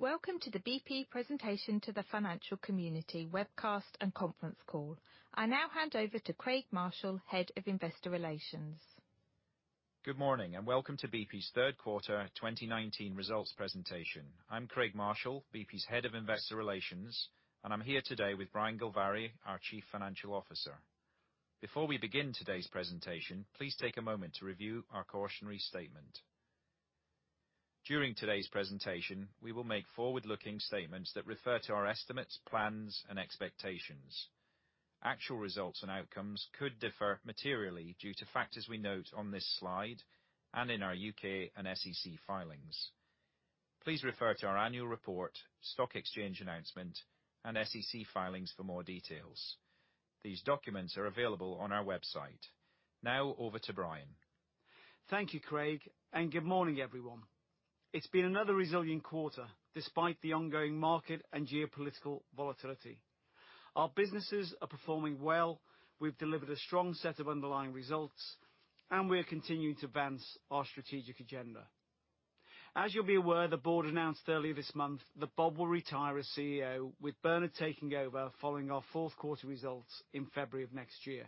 Welcome to the BP presentation to the financial community webcast and conference call. I now hand over to Craig Marshall, Head of Investor Relations. Good morning, welcome to BP's third quarter 2019 results presentation. I'm Craig Marshall, BP's Head of Investor Relations, and I'm here today with Brian Gilvary, our Chief Financial Officer. Before we begin today's presentation, please take a moment to review our cautionary statement. During today's presentation, we will make forward-looking statements that refer to our estimates, plans, and expectations. Actual results and outcomes could differ materially due to factors we note on this slide and in our U.K. and SEC filings. Please refer to our annual report, stock exchange announcement, and SEC filings for more details. These documents are available on our website. Over to Brian. Thank you, Craig. Good morning, everyone. It's been another resilient quarter, despite the ongoing market and geopolitical volatility. Our businesses are performing well. We've delivered a strong set of underlying results, and we are continuing to advance our strategic agenda. As you'll be aware, the board announced earlier this month that Bob will retire as CEO, with Bernard taking over following our fourth quarter results in February of next year.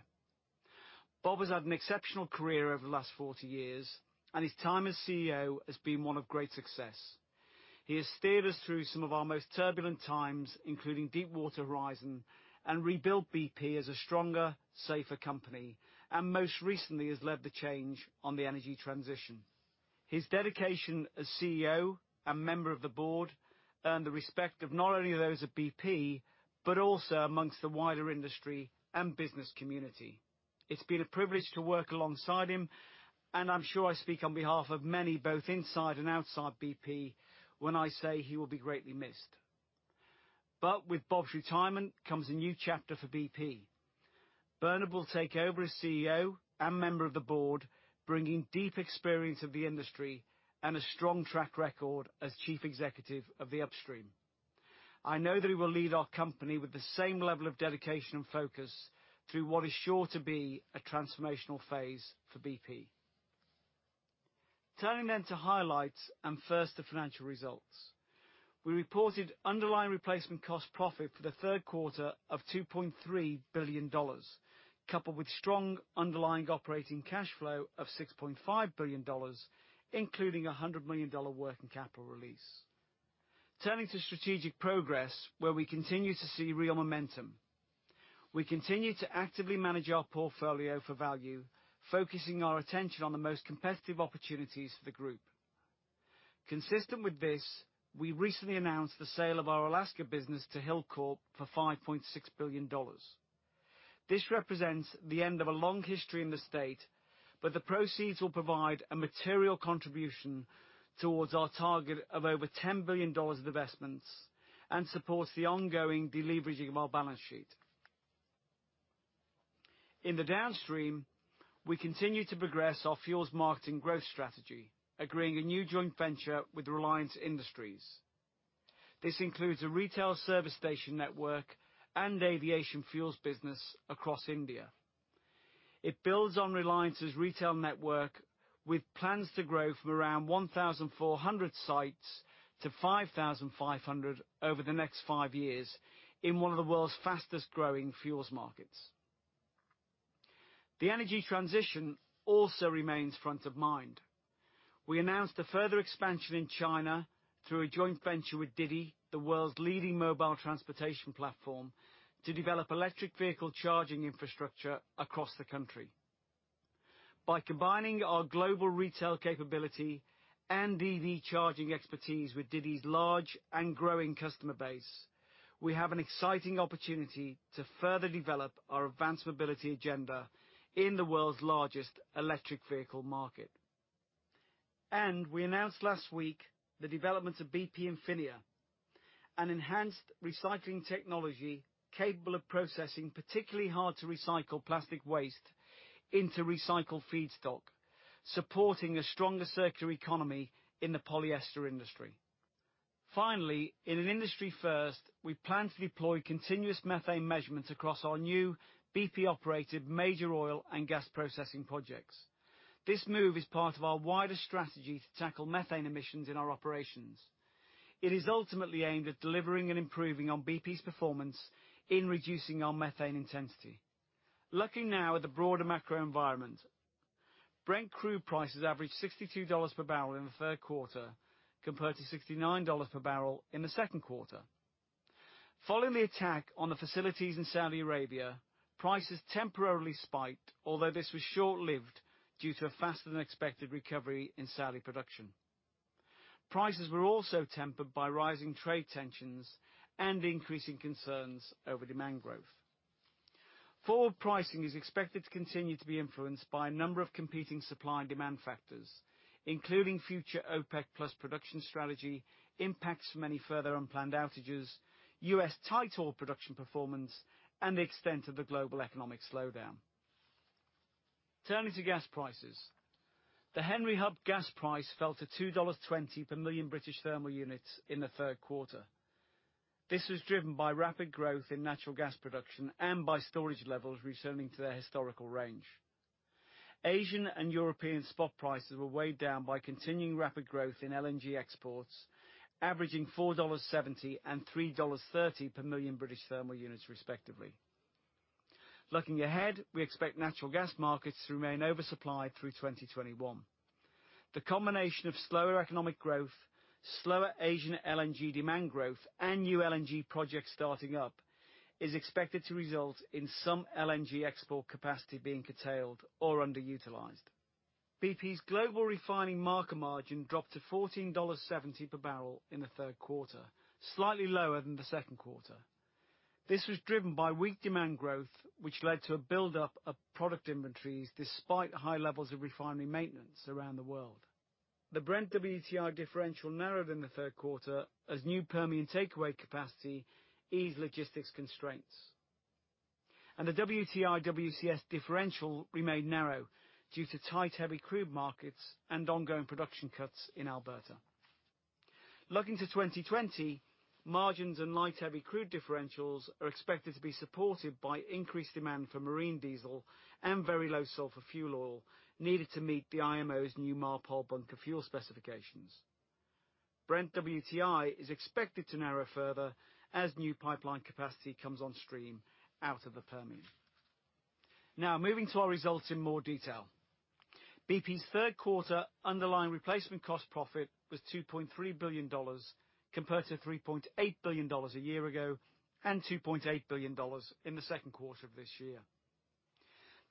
Bob has had an exceptional career over the last 40 years, and his time as CEO has been one of great success. He has steered us through some of our most turbulent times, including Deepwater Horizon, and rebuilt BP as a stronger, safer company, and most recently, has led the change on the energy transition. His dedication as CEO and member of the board earned the respect of not only those at BP, but also amongst the wider industry and business community. It's been a privilege to work alongside him, and I'm sure I speak on behalf of many, both inside and outside BP, when I say he will be greatly missed. With Bob's retirement comes a new chapter for BP. Bernard will take over as CEO and member of the board, bringing deep experience of the industry and a strong track record as Chief Executive of the Upstream. I know that he will lead our company with the same level of dedication and focus through what is sure to be a transformational phase for BP. Turning then to highlights, first the financial results. We reported underlying replacement cost profit for the third quarter of GBP 2.3 billion, coupled with strong underlying operating cash flow of GBP 6.5 billion, including a GBP 100 million working capital release. Turning to strategic progress, where we continue to see real momentum. We continue to actively manage our portfolio for value, focusing our attention on the most competitive opportunities for the group. Consistent with this, we recently announced the sale of our Alaska business to Hilcorp for GBP 5.6 billion. This represents the end of a long history in the state. The proceeds will provide a material contribution towards our target of over GBP 10 billion of investments and supports the ongoing deleveraging of our balance sheet. In the downstream, we continue to progress our fuels marketing growth strategy, agreeing a new joint venture with Reliance Industries. This includes a retail service station network and aviation fuels business across India. It builds on Reliance's retail network with plans to grow from around 1,400 sites to 5,500 over the next five years in one of the world's fastest-growing fuels markets. The energy transition also remains front of mind. We announced a further expansion in China through a joint venture with DiDi, the world's leading mobile transportation platform, to develop electric vehicle charging infrastructure across the country. By combining our global retail capability and EV charging expertise with DiDi's large and growing customer base, we have an exciting opportunity to further develop our advanced mobility agenda in the world's largest electric vehicle market. We announced last week the development of BP Infinia, an enhanced recycling technology capable of processing particularly hard-to-recycle plastic waste into recycled feedstock, supporting a stronger circular economy in the polyester industry. Finally, in an industry first, we plan to deploy continuous methane measurements across our new BP-operated major oil and gas processing projects. This move is part of our wider strategy to tackle methane emissions in our operations. It is ultimately aimed at delivering and improving on BP's performance in reducing our methane intensity. Looking now at the broader macro environment. Brent crude prices averaged $62 per barrel in the third quarter, compared to $69 per barrel in the second quarter. Following the attack on the facilities in Saudi Arabia, prices temporarily spiked, although this was short-lived due to a faster-than-expected recovery in Saudi production. Prices were also tempered by rising trade tensions and increasing concerns over demand growth. Forward pricing is expected to continue to be influenced by a number of competing supply and demand factors, including future OPEC+ production strategy, impacts from any further unplanned outages, U.S. tight oil production performance, and the extent of the global economic slowdown. Turning to gas prices. The Henry Hub gas price fell to $2.20 per million British thermal units in the third quarter. This was driven by rapid growth in natural gas production and by storage levels returning to their historical range. Asian and European spot prices were weighed down by continuing rapid growth in LNG exports, averaging $4.70 and $3.30 per million British thermal units respectively. Looking ahead, we expect natural gas markets to remain over supplied through 2021. The combination of slower economic growth, slower Asian LNG demand growth, and new LNG projects starting up is expected to result in some LNG export capacity being curtailed or underutilized. BP's global refining market margin dropped to $14.70 per barrel in the third quarter, slightly lower than the second quarter. This was driven by weak demand growth, which led to a buildup of product inventories despite high levels of refinery maintenance around the world. The Brent WTI differential narrowed in the third quarter as new Permian takeaway capacity eased logistics constraints. The WTI WCS differential remained narrow due to tight, heavy crude markets and ongoing production cuts in Alberta. Looking to 2020, margins and light heavy crude differentials are expected to be supported by increased demand for marine diesel and very low sulfur fuel oil needed to meet the IMO's new MARPOL bunker fuel specifications. Brent WTI is expected to narrow further as new pipeline capacity comes on stream out of the Permian. Moving to our results in more detail. BP's third quarter underlying replacement cost profit was GBP 2.3 billion compared to GBP 3.8 billion a year ago, and GBP 2.8 billion in the second quarter of this year.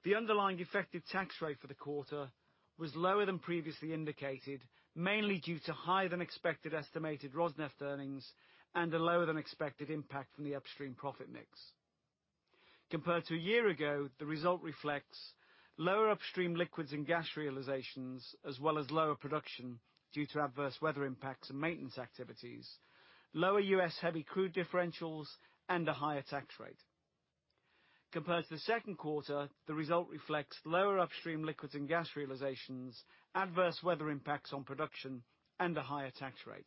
The underlying effective tax rate for the quarter was lower than previously indicated, mainly due to higher than expected estimated Rosneft earnings and a lower than expected impact from the upstream profit mix. Compared to a year ago, the result reflects lower upstream liquids and gas realizations, as well as lower production due to adverse weather impacts and maintenance activities, lower U.S. heavy crude differentials, and a higher tax rate. Compared to the second quarter, the result reflects lower upstream liquids and gas realizations, adverse weather impacts on production, and a higher tax rate.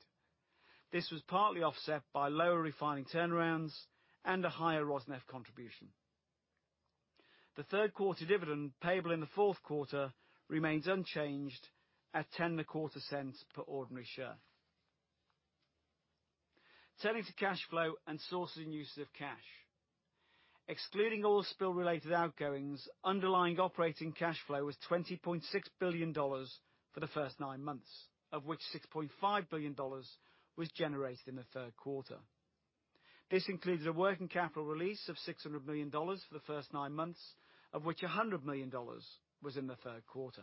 This was partly offset by lower refining turnarounds and a higher Rosneft contribution. The third-quarter dividend payable in the fourth quarter remains unchanged at 10.25 per ordinary share. Turning to cash flow and sources and uses of cash. Excluding oil spill-related outgoings, underlying operating cash flow was GBP 20.6 billion for the first nine months, of which GBP 6.5 billion was generated in the third quarter. This includes a working capital release of GBP 600 million for the first nine months, of which GBP 100 million was in the third quarter.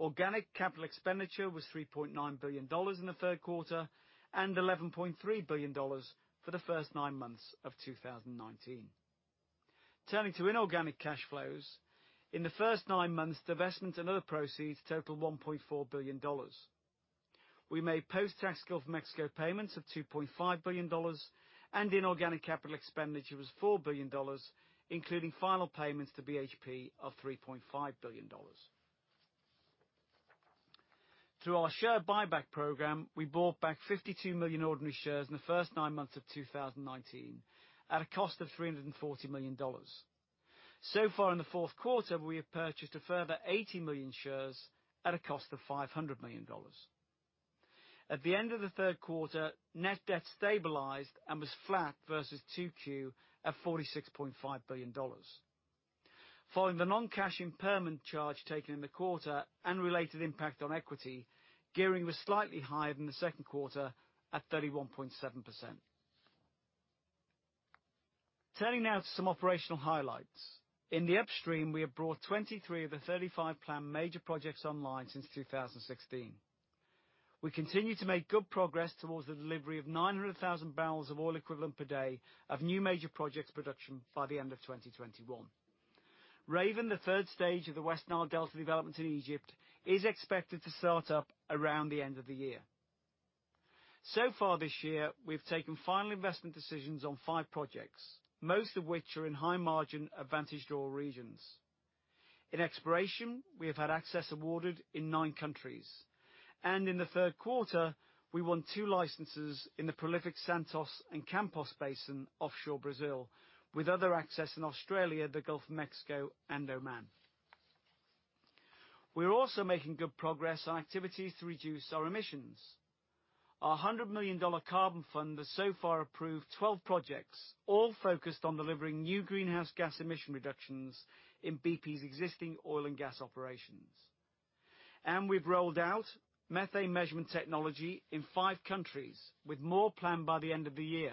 Organic capital expenditure was GBP 3.9 billion in the third quarter and GBP 11.3 billion for the first nine months of 2019. Turning to inorganic cash flows. In the first nine months, divestment and other proceeds totaled GBP 1.4 billion. We made post-tax Gulf of Mexico payments of GBP 2.5 billion, and inorganic capital expenditure was GBP 4 billion, including final payments to BHP of GBP 3.5 billion. Through our share buyback program, we bought back 52 million ordinary shares in the first nine months of 2019 at a cost of GBP 340 million. Far in the fourth quarter, we have purchased a further 80 million shares at a cost of $500 million. At the end of the third quarter, net debt stabilized and was flat versus 2Q at $46.5 billion. Following the non-cash impairment charge taken in the quarter and related impact on equity, gearing was slightly higher than the second quarter at 31.7%. Turning now to some operational highlights. In the upstream, we have brought 23 of the 35 planned major projects online since 2016. We continue to make good progress towards the delivery of 900,000 barrels of oil equivalent per day of new major projects production by the end of 2021. Raven, the third stage of the West Nile Delta development in Egypt, is expected to start up around the end of the year. Far this year, we've taken final investment decisions on five projects, most of which are in high-margin advantaged oil regions. In exploration, we have had access awarded in nine countries. In the third quarter, we won two licenses in the prolific Santos and Campos Basin offshore Brazil, with other access in Australia, the Gulf of Mexico, and Oman. We are also making good progress on activities to reduce our emissions. Our GBP 100 million carbon fund has so far approved 12 projects, all focused on delivering new greenhouse gas emission reductions in BP's existing oil and gas operations. We've rolled out methane measurement technology in five countries, with more planned by the end of the year.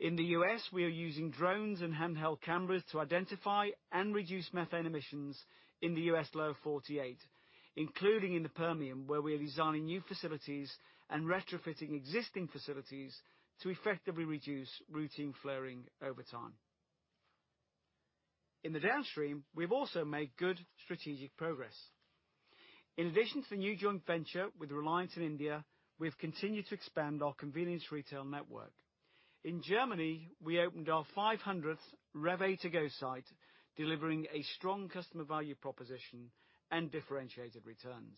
In the U.S., we are using drones and handheld cameras to identify and reduce methane emissions in the U.S. Lower 48, including in the Permian, where we are designing new facilities and retrofitting existing facilities to effectively reduce routine flaring over time. In the downstream, we've also made good strategic progress. In addition to the new joint venture with Reliance in India, we've continued to expand our convenience retail network. In Germany, we opened our 500th REWE To Go site, delivering a strong customer value proposition and differentiated returns.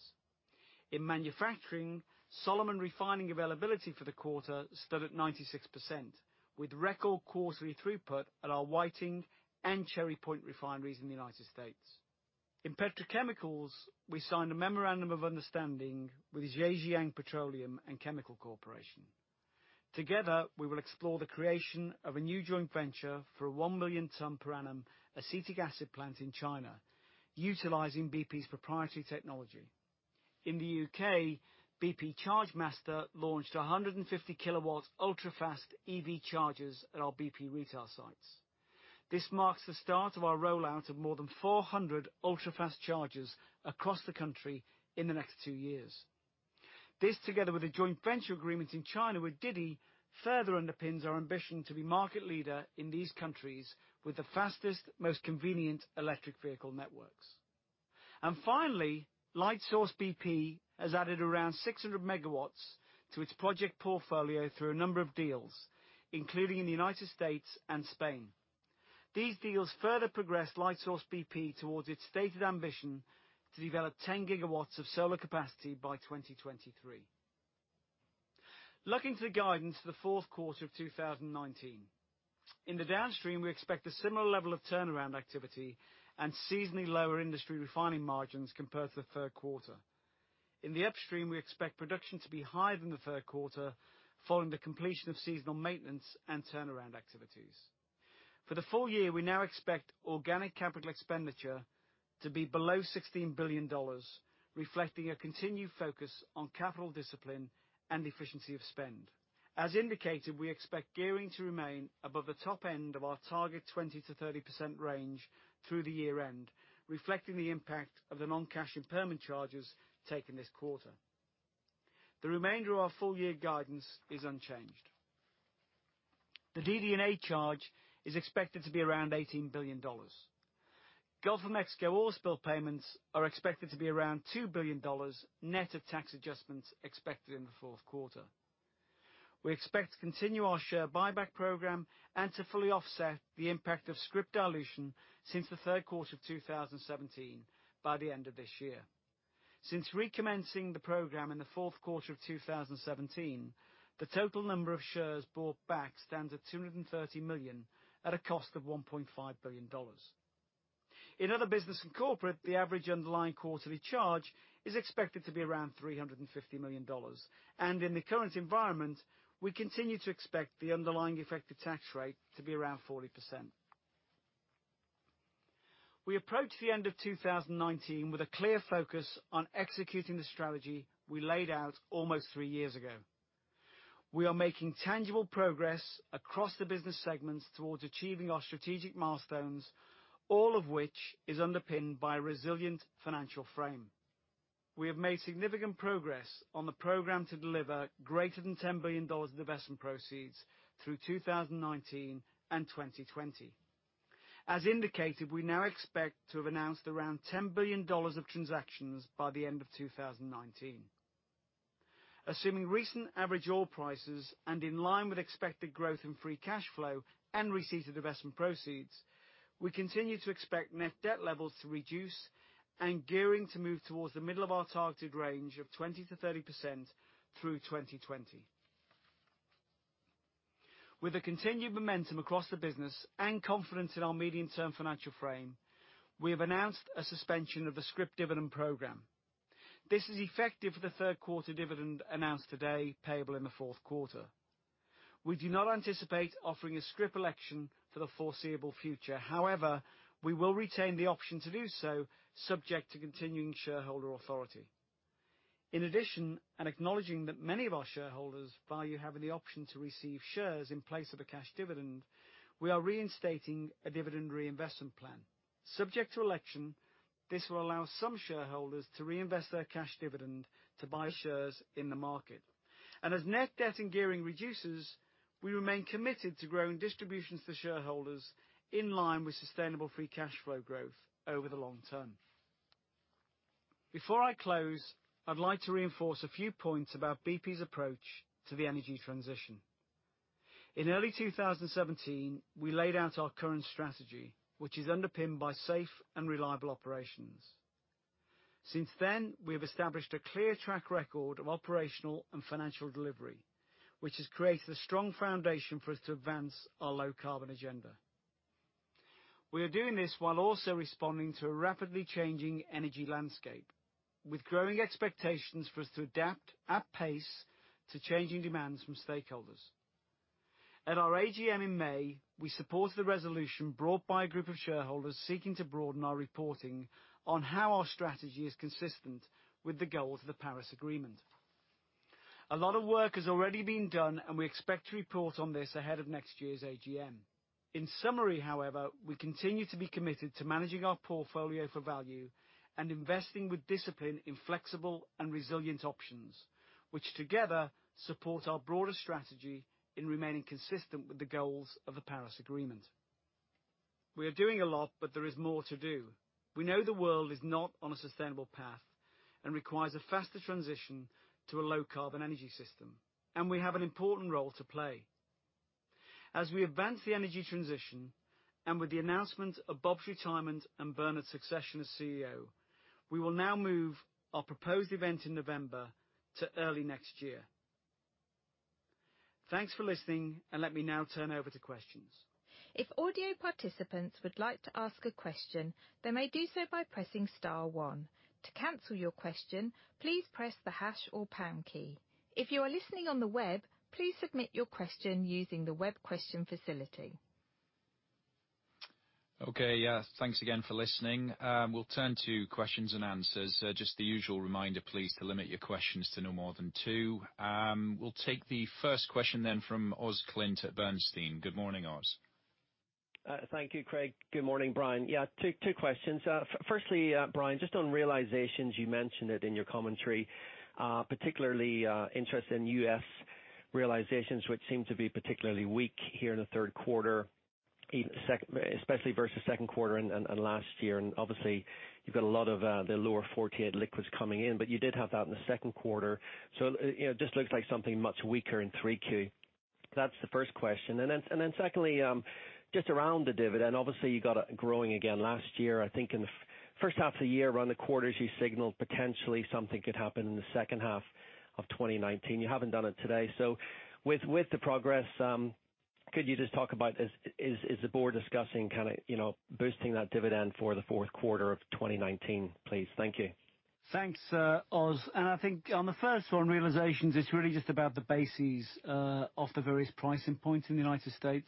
In manufacturing, Solomon refining availability for the quarter stood at 96%, with record quarterly throughput at our Whiting and Cherry Point refineries in the United States. In petrochemicals, we signed a memorandum of understanding with Zhejiang Petroleum and Chemical Corporation. Together, we will explore the creation of a new joint venture for a 1 million ton per annum acetic acid plant in China, utilizing BP's proprietary technology. In the U.K., BP Chargemaster launched 150 kW ultrafast EV chargers at our BP retail sites. This marks the start of our rollout of more than 400 ultrafast chargers across the country in the next two years. This, together with a joint venture agreement in China with Didi, further underpins our ambition to be market leader in these countries with the fastest, most convenient electric vehicle networks. Finally, Lightsource BP has added around 600 MW to its project portfolio through a number of deals, including in the U.S. and Spain. These deals further progress Lightsource BP towards its stated ambition to develop 10 GW of solar capacity by 2023. Looking to the guidance for the fourth quarter of 2019. In the downstream, we expect a similar level of turnaround activity and seasonally lower industry refining margins compared to the third quarter. In the upstream, we expect production to be higher than the third quarter, following the completion of seasonal maintenance and turnaround activities. For the full year, we now expect organic capital expenditure to be below GBP 16 billion, reflecting a continued focus on capital discipline and efficiency of spend. As indicated, we expect gearing to remain above the top end of our target 20%-30% range through the year-end, reflecting the impact of the non-cash impairment charges taken this quarter. The remainder of our full year guidance is unchanged. The DD&A charge is expected to be around GBP 18 billion. Gulf of Mexico Oil Spill payments are expected to be around GBP 2 billion, net of tax adjustments expected in the fourth quarter. We expect to continue our share buyback program and to fully offset the impact of scrip dilution since the third quarter of 2017 by the end of this year. Since recommencing the program in the fourth quarter of 2017, the total number of shares bought back stands at 230 million at a cost of $1.5 billion. In other business and corporate, the average underlying quarterly charge is expected to be around $350 million. In the current environment, we continue to expect the underlying effective tax rate to be around 40%. We approach the end of 2019 with a clear focus on executing the strategy we laid out almost three years ago. We are making tangible progress across the business segments towards achieving our strategic milestones, all of which is underpinned by a resilient financial frame. We have made significant progress on the program to deliver greater than GBP 10 billion of investment proceeds through 2019 and 2020. As indicated, we now expect to have announced around GBP 10 billion of transactions by the end of 2019. Assuming recent average oil prices and in line with expected growth in free cash flow and receipt of investment proceeds, we continue to expect net debt levels to reduce and gearing to move towards the middle of our targeted range of 20%-30% through 2020. With the continued momentum across the business and confidence in our medium-term financial frame, we have announced a suspension of the scrip dividend program. This is effective for the third quarter dividend announced today, payable in the fourth quarter. We do not anticipate offering a scrip election for the foreseeable future. However, we will retain the option to do so, subject to continuing shareholder authority. In addition, acknowledging that many of our shareholders value having the option to receive shares in place of a cash dividend, we are reinstating a dividend reinvestment plan. Subject to election, this will allow some shareholders to reinvest their cash dividend to buy shares in the market. As net debt and gearing reduces, we remain committed to growing distributions to shareholders in line with sustainable free cash flow growth over the long term. Before I close, I'd like to reinforce a few points about BP's approach to the energy transition. In early 2017, we laid out our current strategy, which is underpinned by safe and reliable operations. Since then, we have established a clear track record of operational and financial delivery, which has created a strong foundation for us to advance our low carbon agenda. We are doing this while also responding to a rapidly changing energy landscape, with growing expectations for us to adapt at pace to changing demands from stakeholders. At our AGM in May, we supported the resolution brought by a group of shareholders seeking to broaden our reporting on how our strategy is consistent with the goals of the Paris Agreement. A lot of work has already been done, and we expect to report on this ahead of next year's AGM. In summary, however, we continue to be committed to managing our portfolio for value and investing with discipline in flexible and resilient options, which together support our broader strategy in remaining consistent with the goals of the Paris Agreement. We are doing a lot, but there is more to do. We know the world is not on a sustainable path and requires a faster transition to a low carbon energy system. We have an important role to play. As we advance the energy transition, with the announcement of Bob's retirement and Bernard's succession as CEO, we will now move our proposed event in November to early next year. Thanks for listening. Let me now turn over to questions. If audio participants would like to ask a question, they may do so by pressing star one. To cancel your question, please press the hash or pound key. If you are listening on the web, please submit your question using the web question facility. Okay. Thanks again for listening. We'll turn to questions and answers. Just the usual reminder, please, to limit your questions to no more than two. We'll take the first question from Oz Clint at Bernstein. Good morning, Oz. Thank you, Craig. Good morning, Brian. Two questions. Firstly, Brian, just on realizations, you mentioned it in your commentary. Particularly interested in U.S. realizations, which seem to be particularly weak here in the third quarter, especially versus second quarter and last year. Obviously, you've got a lot of the Lower 48 liquids coming in, but you did have that in the second quarter. It just looks like something much weaker in 3Q. That's the first question. Secondly, just around the dividend. Obviously, you got it growing again last year. I think in the first half of the year, around the quarters you signaled potentially something could happen in the second half of 2019. You haven't done it today. With the progress, could you just talk about is the board discussing kind of boosting that dividend for the fourth quarter of 2019, please? Thank you. Thanks, Oz. I think on the first, realizations, it's really just about the basis of the various pricing points in the U.S.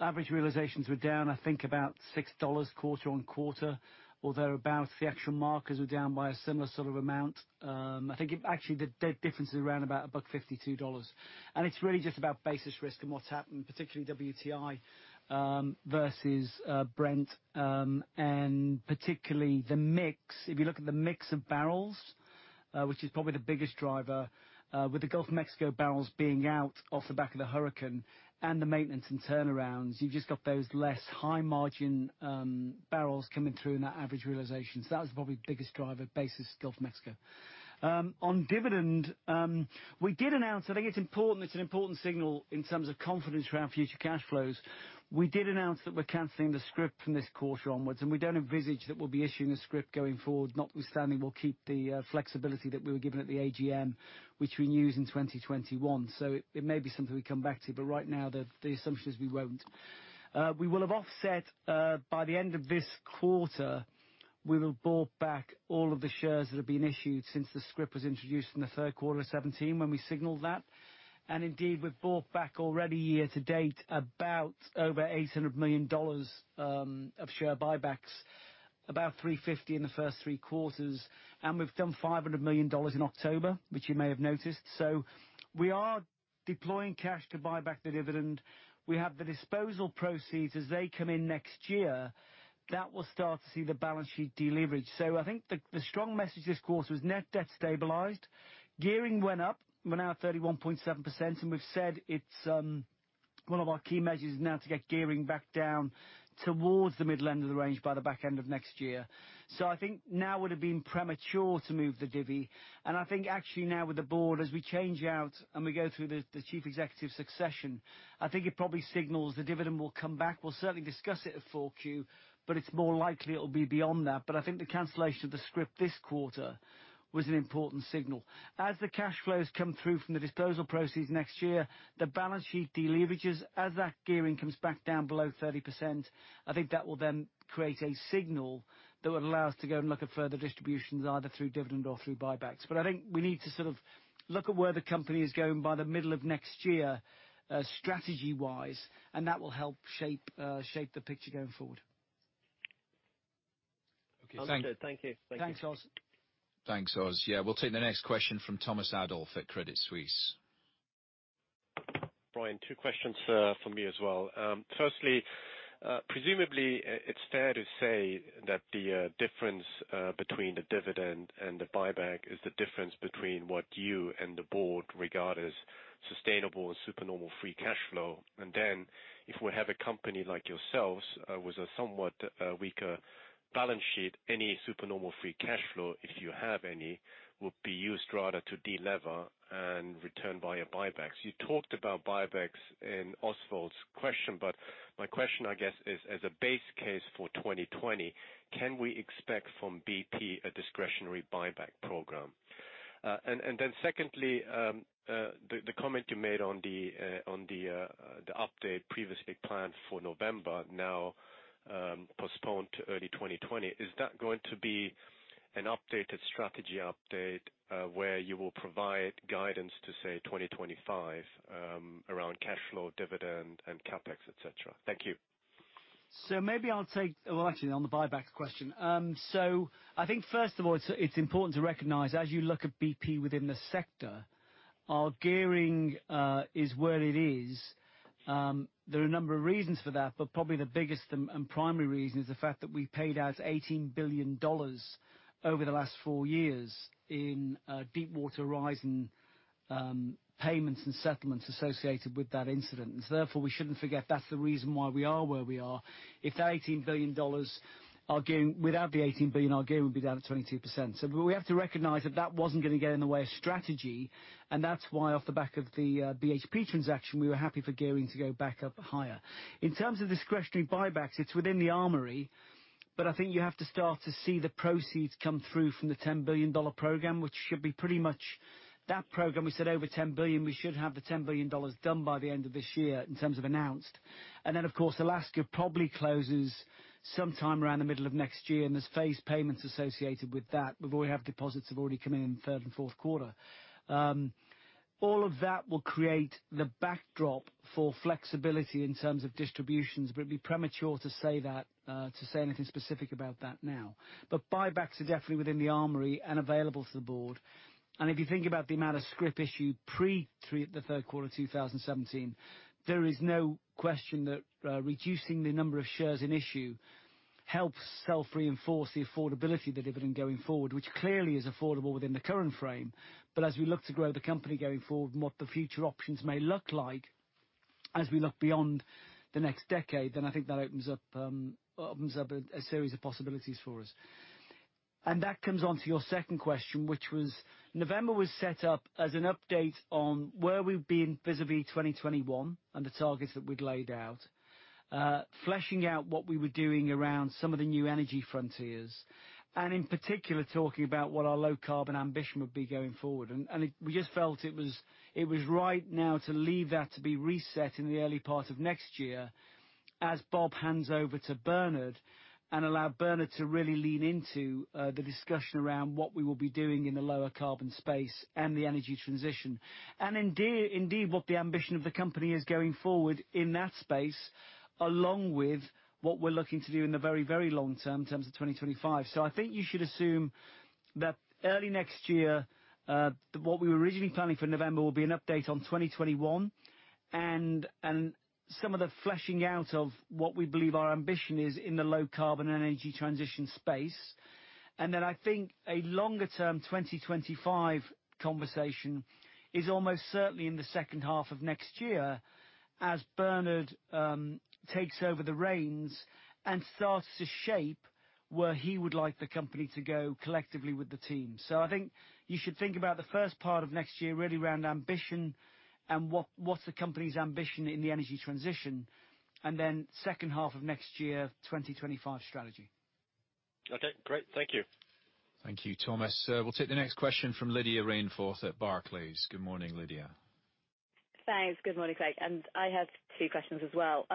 Average realizations were down, I think about $6 quarter-on-quarter, or thereabout. The actual markers were down by a similar sort of amount. I think actually the difference is around about $1.52. It's really just about basis risk and what's happened, particularly WTI versus Brent, and particularly the mix. If you look at the mix of barrels, which is probably the biggest driver with the Gulf of Mexico barrels being out off the back of the hurricane and the maintenance and turnarounds, you've just got those less high margin barrels coming through in that average realization. That was probably the biggest driver, basis Gulf of Mexico. On dividend, we did announce, I think it's an important signal in terms of confidence around future cash flows. We did announce that we're canceling the scrip from this quarter onwards, and we don't envisage that we'll be issuing a scrip going forward, notwithstanding we'll keep the flexibility that we were given at the AGM, which renews in 2021. It may be something we come back to, but right now, the assumption is we won't. We will have offset by the end of this quarter, we will have bought back all of the shares that have been issued since the scrip was introduced in the third quarter of 2017 when we signaled that. Indeed, we've bought back already year to date about over GBP 800 million of share buybacks, about 350 in the first three quarters. We've done GBP 500 million in October, which you may have noticed. We are deploying cash to buy back the dividend. We have the disposal proceeds as they come in next year. That will start to see the balance sheet deleverage. I think the strong message this quarter was net debt stabilized. Gearing went up. We're now at 31.7%, and we've said one of our key measures is now to get gearing back down towards the middle end of the range by the back end of next year. I think now would have been premature to move the divvy. I think actually now with the board, as we change out and we go through the Chief Executive succession, I think it probably signals the dividend will come back. We'll certainly discuss it at four Q, but it's more likely it'll be beyond that. I think the cancellation of the scrip this quarter was an important signal. As the cash flows come through from the disposal proceeds next year, the balance sheet deleverages. As that gearing comes back down below 30%, I think that will create a signal that would allow us to go and look at further distributions, either through dividend or through buybacks. I think we need to sort of look at where the company is going by the middle of next year, strategy-wise, and that will help shape the picture going forward. Okay. Thank you. Thanks, Oz. Thanks, Oz. Yeah. We'll take the next question from Thomas Adolff at Credit Suisse. Brian, two questions from me as well. Firstly, presumably it's fair to say that the difference between the dividend and the buyback is the difference between what you and the board regard as sustainable and super normal free cash flow. If we have a company like yourselves with a somewhat weaker balance sheet, any super normal free cash flow, if you have any, would be used rather to delever and return via buybacks. You talked about buybacks in Oswald's question, but my question, I guess is as a base case for 2020, can we expect from BP a discretionary buyback program? Secondly, the comment you made on the update previously planned for November, now postponed to early 2020. Is that going to be an updated strategy update where you will provide guidance to, say, 2025 around cash flow, dividend and CapEx, et cetera? Thank you. Maybe I'll take, rightly on the buyback question. I think first of all, it's important to recognize as you look at BP within the sector, our gearing is where it is. There are a number of reasons for that, but probably the biggest and primary reason is the fact that we paid out GBP 18 billion over the last four years in Deepwater Horizon payments and settlements associated with that incident. Therefore, we shouldn't forget that's the reason why we are where we are. Without the 18 billion, our gearing would be down at 22%. We have to recognize that that wasn't going to get in the way of strategy, and that's why off the back of the BHP transaction, we were happy for gearing to go back up higher. In terms of discretionary buybacks, it's within the armory. I think you have to start to see the proceeds come through from the GBP 10 billion program. That program, we said over 10 billion. We should have the GBP 10 billion done by the end of this year in terms of announced. Then, of course, Alaska probably closes sometime around the middle of next year, and there's phased payments associated with that. We already have deposits that have already come in third and fourth quarter. All of that will create the backdrop for flexibility in terms of distributions, it'd be premature to say anything specific about that now. Buybacks are definitely within the armory and available to the board. If you think about the amount of scrip issue pre the third quarter 2017, there is no question that reducing the number of shares in issue helps self-reinforce the affordability of the dividend going forward, which clearly is affordable within the current frame. As we look to grow the company going forward and what the future options may look like as we look beyond the next decade, I think that opens up a series of possibilities for us. That comes onto your second question, which was November was set up as an update on where we've been vis-à-vis 2021 and the targets that we'd laid out. Fleshing out what we were doing around some of the new energy frontiers, and in particular, talking about what our low carbon ambition would be going forward. We just felt it was right now to leave that to be reset in the early part of next year as Bob hands over to Bernard and allow Bernard to really lean into the discussion around what we will be doing in the lower carbon space and the energy transition. Indeed what the ambition of the company is going forward in that space, along with what we're looking to do in the very long term in terms of 2025. I think you should assume that early next year, what we were originally planning for November will be an update on 2021 and some of the fleshing out of what we believe our ambition is in the low-carbon energy transition space. I think a longer-term 2025 conversation is almost certainly in the second half of next year as Bernard takes over the reins and starts to shape where he would like the company to go collectively with the team. I think you should think about the first part of next year really around ambition and what's the company's ambition in the energy transition, and then second half of next year, 2025 strategy. Okay, great. Thank you. Thank you, Thomas. We'll take the next question from Lydia Rainforth at Barclays. Good morning, Lydia. Thanks. Good morning, Craig. I have two questions as well.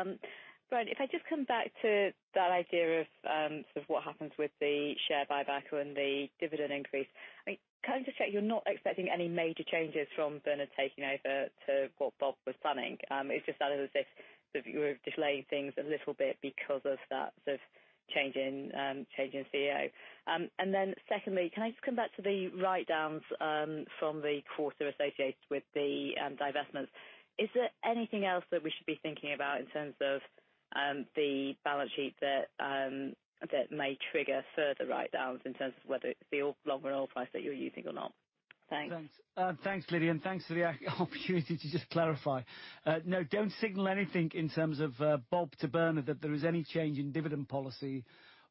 Brian, if I just come back to that idea of what happens with the share buyback and the dividend increase. I mean, can I just check you're not expecting any major changes from Bernard taking over to what Bob was planning? It just sounds as if you were delaying things a little bit because of that sort of change in CEO. Secondly, can I just come back to the write-downs from the quarter associated with the divestments. Is there anything else that we should be thinking about in terms of the balance sheet that may trigger further write-downs in terms of whether the longer oil price that you're using or not? Thanks. Thanks, Lydia. Thanks for the opportunity to just clarify. No, don't signal anything in terms of Bob to Bernard that there is any change in dividend policy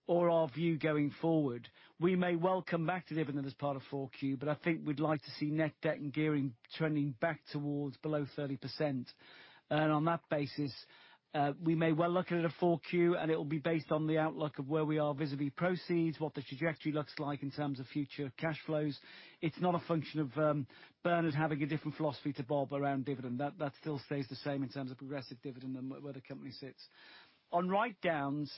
or our view going forward. We may well come back to dividend as part of 4Q, I think we'd like to see net debt and gearing trending back towards below 30%. On that basis, we may well look at it at 4Q. It will be based on the outlook of where we are vis-à-vis proceeds, what the trajectory looks like in terms of future cash flows. It's not a function of Bernard having a different philosophy to Bob around dividend. That still stays the same in terms of progressive dividend and where the company sits. On write-downs,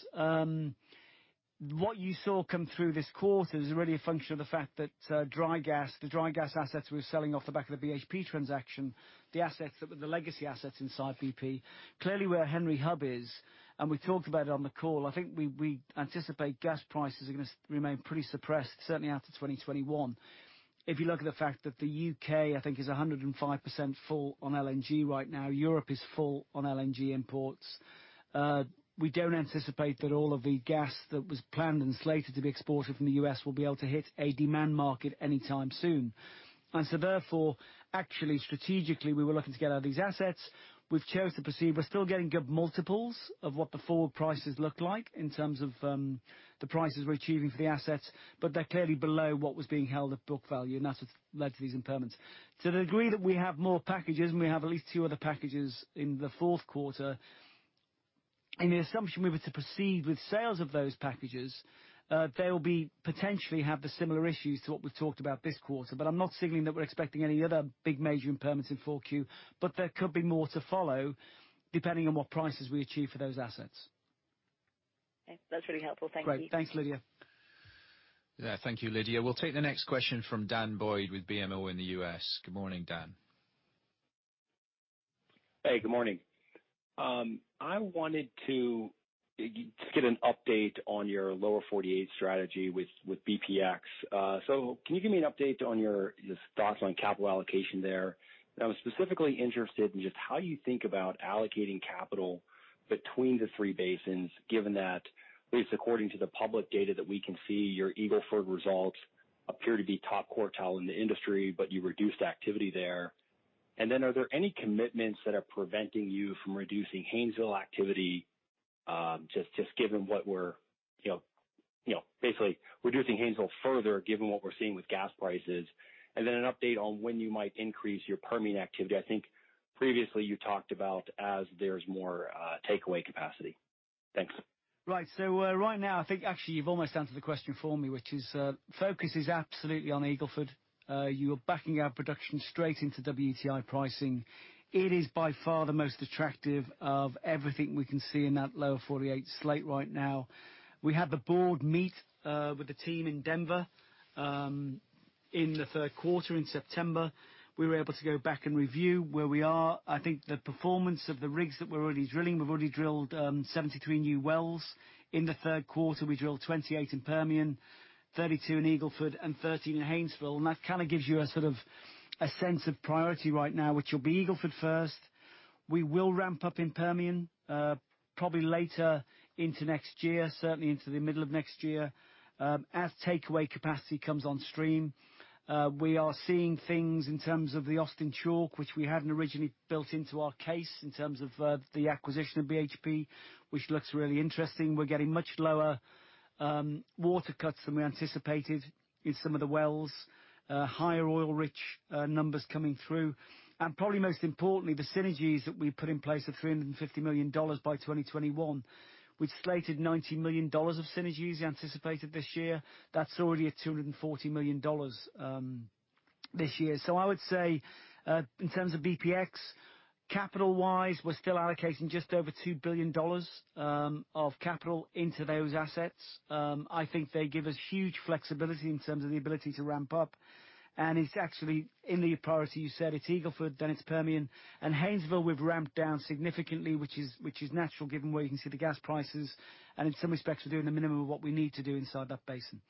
what you saw come through this quarter is really a function of the fact that dry gas, the dry gas assets we were selling off the back of the BHP transaction, the legacy assets inside BP. Clearly where Henry Hub is, we talked about it on the call. I think we anticipate gas prices are going to remain pretty suppressed, certainly out to 2021. If you look at the fact that the U.K., I think is 105% full on LNG right now. Europe is full on LNG imports. We don't anticipate that all of the gas that was planned and slated to be exported from the U.S. will be able to hit a demand market anytime soon. Therefore, actually strategically, we were looking to get out of these assets. We've chose to proceed. We're still getting good multiples of what the forward prices look like in terms of the prices we're achieving for the assets, but they're clearly below what was being held at book value, and that's what's led to these impairments. To the degree that we have more packages, and we have at least two other packages in the fourth quarter. In the assumption we were to proceed with sales of those packages, they'll potentially have the similar issues to what we've talked about this quarter. I'm not signaling that we're expecting any other big major impairments in 4Q. There could be more to follow depending on what prices we achieve for those assets. Okay. That's really helpful. Thank you. Great. Thanks, Lydia. Yeah. Thank you, Lydia. We'll take the next question from Daniel Boyd with BMO in the U.S. Good morning, Dan. Hey, good morning. I wanted to get an update on your Lower 48 strategy with BPX. Can you give me an update on your thoughts on capital allocation there? I was specifically interested in just how you think about allocating capital between the three basins, given that, at least according to the public data that we can see, your Eagle Ford results appear to be top quartile in the industry, but you reduced activity there. Are there any commitments that are preventing you from reducing Haynesville activity, basically reducing Haynesville further, given what we're seeing with gas prices? An update on when you might increase your Permian activity. I think previously you talked about as there's more takeaway capacity. Thanks. Right. Right now, I think actually you've almost answered the question for me, which is focus is absolutely on Eagle Ford. You are backing our production straight into WTI pricing. It is by far the most attractive of everything we can see in that Lower 48 slate right now. We had the board meet with the team in Denver in the third quarter, in September. We were able to go back and review where we are. I think the performance of the rigs that we're already drilling, we've already drilled 73 new wells. In the third quarter, we drilled 28 in Permian, 32 in Eagle Ford, and 13 in Haynesville. That kind of gives you a sense of priority right now, which will be Eagle Ford first. We will ramp up in Permian, probably later into next year, certainly into the middle of next year, as takeaway capacity comes on stream. We are seeing things in terms of the Austin Chalk, which we hadn't originally built into our case in terms of the acquisition of BHP, which looks really interesting. We're getting much lower water cuts than we anticipated in some of the wells. Higher oil-rich numbers coming through. Probably most importantly, the synergies that we put in place of GBP 350 million by 2021. We'd slated GBP 90 million of synergies anticipated this year. That's already at GBP 240 million this year. I would say, in terms of BPX, capital-wise, we're still allocating just over GBP 2 billion of capital into those assets. I think they give us huge flexibility in terms of the ability to ramp up, and it's actually in the priority you said. It's Eagle Ford, then it's Permian. Haynesville we've ramped down significantly, which is natural given where you can see the gas prices. In some respects, we're doing the minimum of what we need to do inside that basin.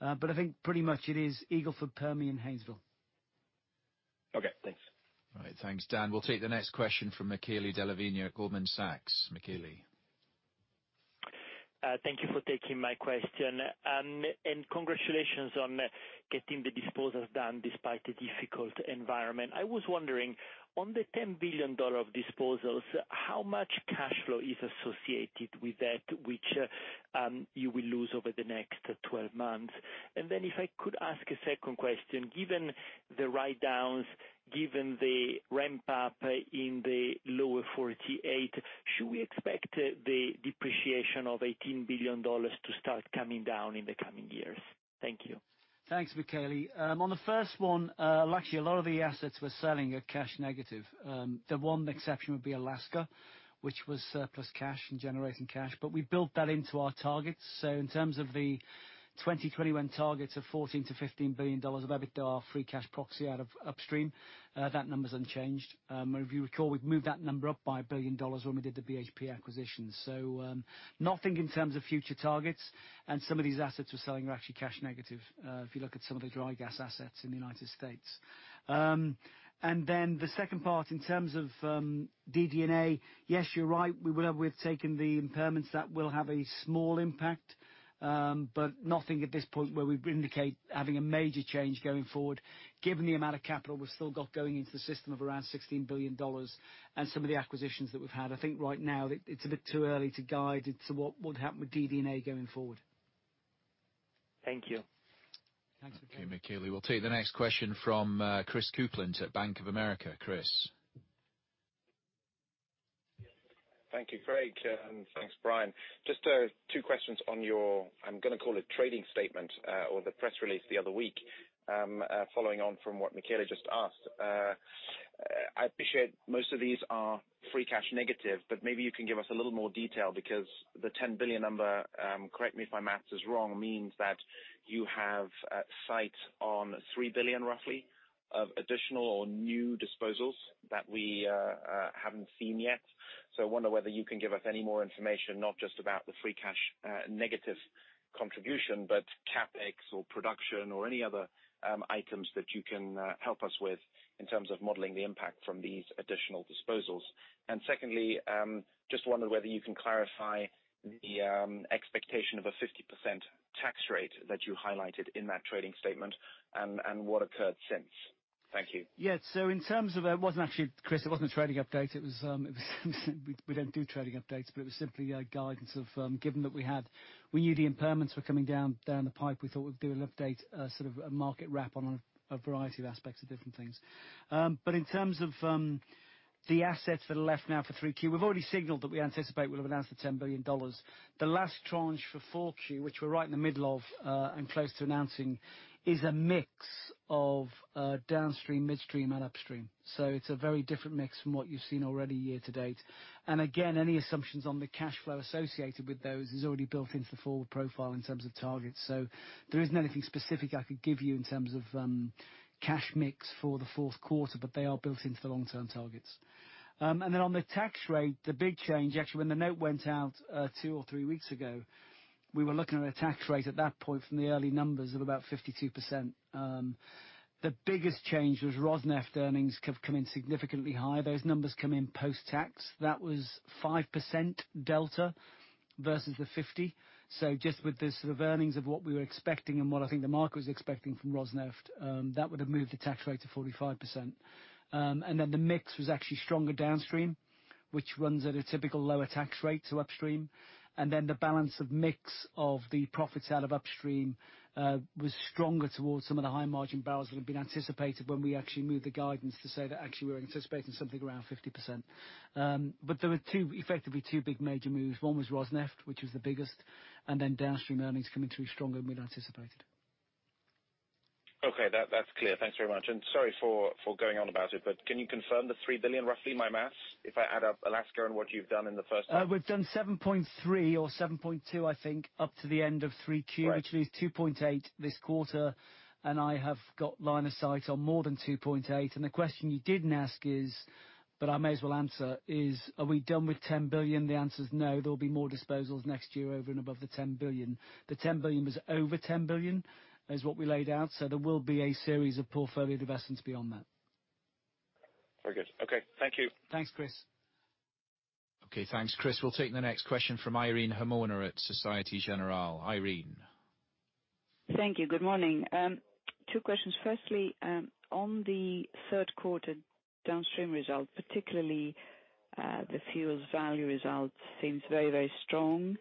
I think pretty much it is Eagle Ford, Permian, Haynesville. Okay, thanks. All right. Thanks, Dan. We'll take the next question from Michele Della Vigna at Goldman Sachs. Michele. Thank you for taking my question. Congratulations on getting the disposals done despite the difficult environment. I was wondering, on the GBP 10 billion of disposals, how much cash flow is associated with that, which you will lose over the next 12 months? If I could ask a second question. Given the write-downs, given the ramp-up in the Lower 48, should we expect the depreciation of GBP 18 billion to start coming down in the coming years? Thank you. Thanks, Michele. On the first one, luckily a lot of the assets we're selling are cash negative. The one exception would be Alaska, which was surplus cash and generating cash. We built that into our targets. In terms of the 2021 targets of GBP 14 billion-GBP 15 billion of EBITDA free cash proxy out of upstream, that number's unchanged. If you recall, we've moved that number up by GBP 1 billion when we did the BHP acquisition. Nothing in terms of future targets, and some of these assets we're selling are actually cash negative, if you look at some of the dry gas assets in the U.S. The second part, in terms of DD&A, yes, you're right. We will have taken the impairments that will have a small impact. Nothing at this point where we indicate having a major change going forward, given the amount of capital we've still got going into the system of around GBP 16 billion, and some of the acquisitions that we've had. I think right now it's a bit too early to guide into what would happen with DD&A going forward. Thank you. Thanks. Okay, Michele. We'll take the next question from Christopher Kuplent at Bank of America. Chris. Thank you, Craig. Thanks, Brian. Just two questions on your, I'm going to call it trading statement or the press release the other week, following on from what Michele just asked. I appreciate most of these are free cash negative, but maybe you can give us a little more detail because the 10 billion number, correct me if my math is wrong, means that you have sight on 3 billion roughly of additional or new disposals that we haven't seen yet. I wonder whether you can give us any more information, not just about the free cash negative contribution, but CapEx or production or any other items that you can help us with in terms of modeling the impact from these additional disposals. Secondly, just wonder whether you can clarify the expectation of a 50% tax rate that you highlighted in that trading statement and what occurred since. Thank you. Yeah. Actually, Chris, it wasn't a trading update. We don't do trading updates, but it was simply a guidance of given that we knew the impairments were coming down the pipe, we thought we'd do an update, sort of a market wrap on a variety of aspects of different things. In terms of the assets that are left now for 3Q, we've already signaled that we anticipate we'll have announced the GBP 10 billion. The last tranche for 4Q, which we're right in the middle of and close to announcing, is a mix of downstream, midstream, and upstream. It's a very different mix from what you've seen already year to date. Again, any assumptions on the cash flow associated with those is already built into the forward profile in terms of targets. There isn't anything specific I could give you in terms of cash mix for the fourth quarter, but they are built into the long-term targets. On the tax rate, the big change, actually, when the note went out two or three weeks ago, we were looking at a tax rate at that point from the early numbers of about 52%. The biggest change was Rosneft earnings have come in significantly higher. Those numbers come in post-tax. That was 5% delta versus the 50%. Just with the sort of earnings of what we were expecting and what I think the market was expecting from Rosneft, that would have moved the tax rate to 45%. The mix was actually stronger downstream, which runs at a typical lower tax rate to upstream. Then the balance of mix of the profits out of upstream was stronger towards some of the high margin barrels that had been anticipated when we actually moved the guidance to say that actually we're anticipating something around 50%. There were effectively two big major moves. One was Rosneft, which was the biggest, and then downstream earnings coming through stronger than we'd anticipated. Okay. That's clear. Thanks very much. Sorry for going on about it, but can you confirm the 3 billion, roughly my math, if I add up Alaska and what you've done in the first half? We've done 7.3 or 7.2, I think, up to the end of 3Q. Right which leaves 2.8 this quarter, I have got line of sight on more than 2.8. The question you didn't ask is, but I may as well answer is, are we done with 10 billion? The answer is no. There'll be more disposals next year over and above the 10 billion. The 10 billion was over 10 billion. That is what we laid out. There will be a series of portfolio divestments beyond that. Very good. Okay. Thank you. Thanks, Chris. Okay. Thanks, Chris. We'll take the next question from Irene Himona at Societe Generale. Irene. Thank you. Good morning. Two questions. Firstly, on the third quarter downstream result, particularly, the fuel's value result seems very, very strong.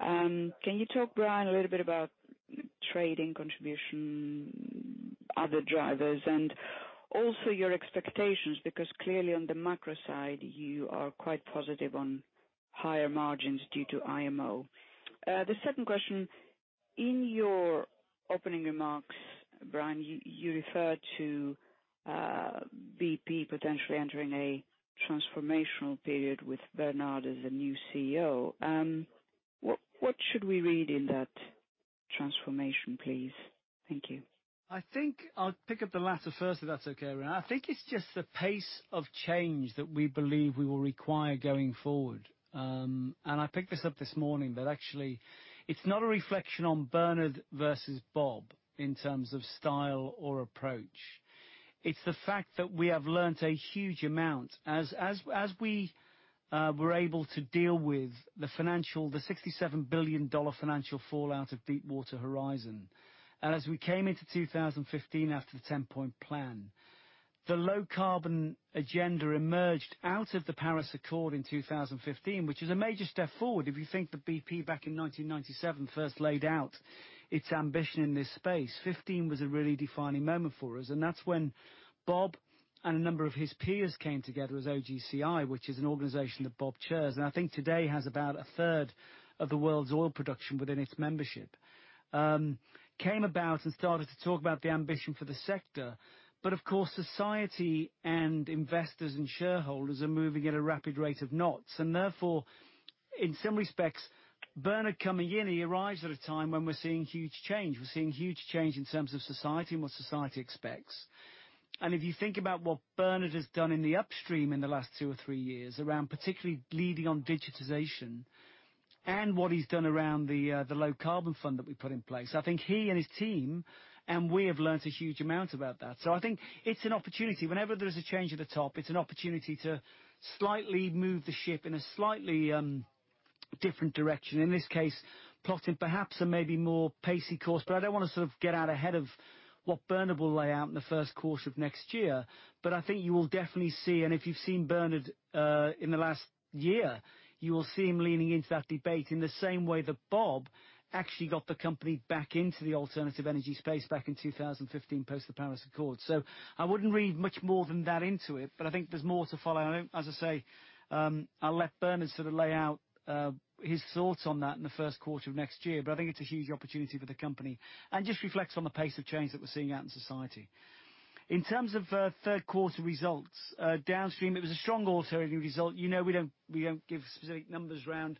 Can you talk, Brian, a little bit about trading contribution, other drivers, and also your expectations? Clearly on the macro side, you are quite positive on higher margins due to IMO. The second question, in your opening remarks, Brian, you referred to BP potentially entering a transformational period with Bernard as the new CEO. What should we read in that transformation, please? Thank you. I think I'll pick up the latter first, if that's okay, Irene. I think it's just the pace of change that we believe we will require going forward. I picked this up this morning, that actually it's not a reflection on Bernard versus Bob in terms of style or approach. It's the fact that we have learned a huge amount. As we were able to deal with the GBP 67 billion financial fallout of Deepwater Horizon, and as we came into 2015 after the 10-point plan. The low-carbon agenda emerged out of the Paris Accord in 2015, which is a major step forward if you think that BP back in 1997 first laid out its ambition in this space. 15 was a really defining moment for us. That's when Bob and a number of his peers came together as OGCI, which is an organization that Bob chairs, and I think today has about a third of the world's oil production within its membership, came about and started to talk about the ambition for the sector. Of course, society and investors and shareholders are moving at a rapid rate of knots. Therefore, in some respects, Bernard coming in, he arrives at a time when we're seeing huge change. We're seeing huge change in terms of society and what society expects. If you think about what Bernard has done in the upstream in the last two or three years around particularly leading on digitization and what he's done around the low-carbon fund that we put in place, I think he and his team, and we have learned a huge amount about that. I think it's an opportunity. Whenever there is a change at the top, it's an opportunity to slightly move the ship in a slightly different direction. In this case, plotting perhaps a maybe more pacy course. I don't want to sort of get out ahead of what Bernard will lay out in the first quarter of next year. I think you will definitely see, and if you've seen Bernard in the last year, you will see him leaning into that debate in the same way that Bob actually got the company back into the alternative energy space back in 2015 post the Paris Accord. I wouldn't read much more than that into it, but I think there's more to follow. As I say, I'll let Bernard sort of lay out his thoughts on that in the first quarter of next year. I think it's a huge opportunity for the company and just reflects on the pace of change that we're seeing out in society. In terms of third quarter results, Downstream, it was a strong oil trading result. You know we don't give specific numbers around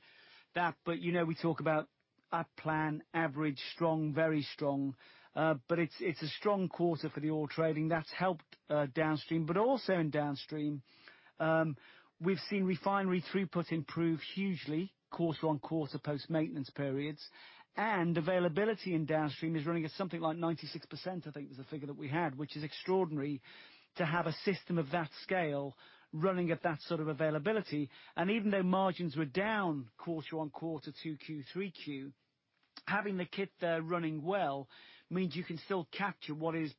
that, but you know we talk about at plan, average, strong, very strong. It's a strong quarter for the oil trading. That's helped Downstream. Also in Downstream, we've seen refinery throughput improve hugely quarter-on-quarter post-maintenance periods, and availability in Downstream is running at something like 96%, I think was the figure that we had, which is extraordinary to have a system of that scale running at that sort of availability. Even though margins were down quarter-on-quarter, 2Q, 3Q, having the kit there running well means you can still capture what is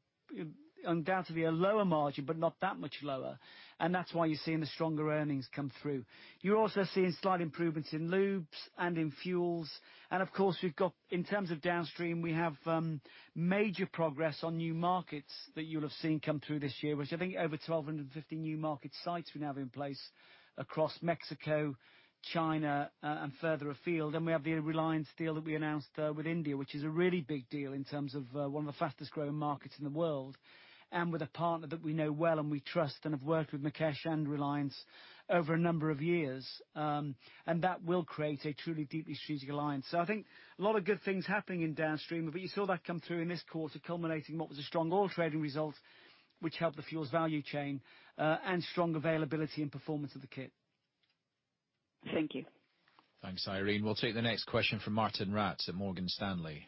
undoubtedly a lower margin, but not that much lower. That's why you're seeing the stronger earnings come through. You're also seeing slight improvements in lubes and in fuels. Of course, we've got, in terms of Downstream, we have major progress on new markets that you'll have seen come through this year, which I think over 1,250 new market sites we now have in place across Mexico, China, and further afield. We have the Reliance deal that we announced with India, which is a really big deal in terms of one of the fastest-growing markets in the world, and with a partner that we know well and we trust and have worked with Mukesh and Reliance over a number of years. That will create a truly deeply strategic alliance. I think a lot of good things happening in downstream, but you saw that come through in this quarter culminating what was a strong oil trading result, which helped the fuel's value chain, and strong availability and performance of the kit. Thank you. Thanks, Irene. We'll take the next question from Martijn Rats at Morgan Stanley.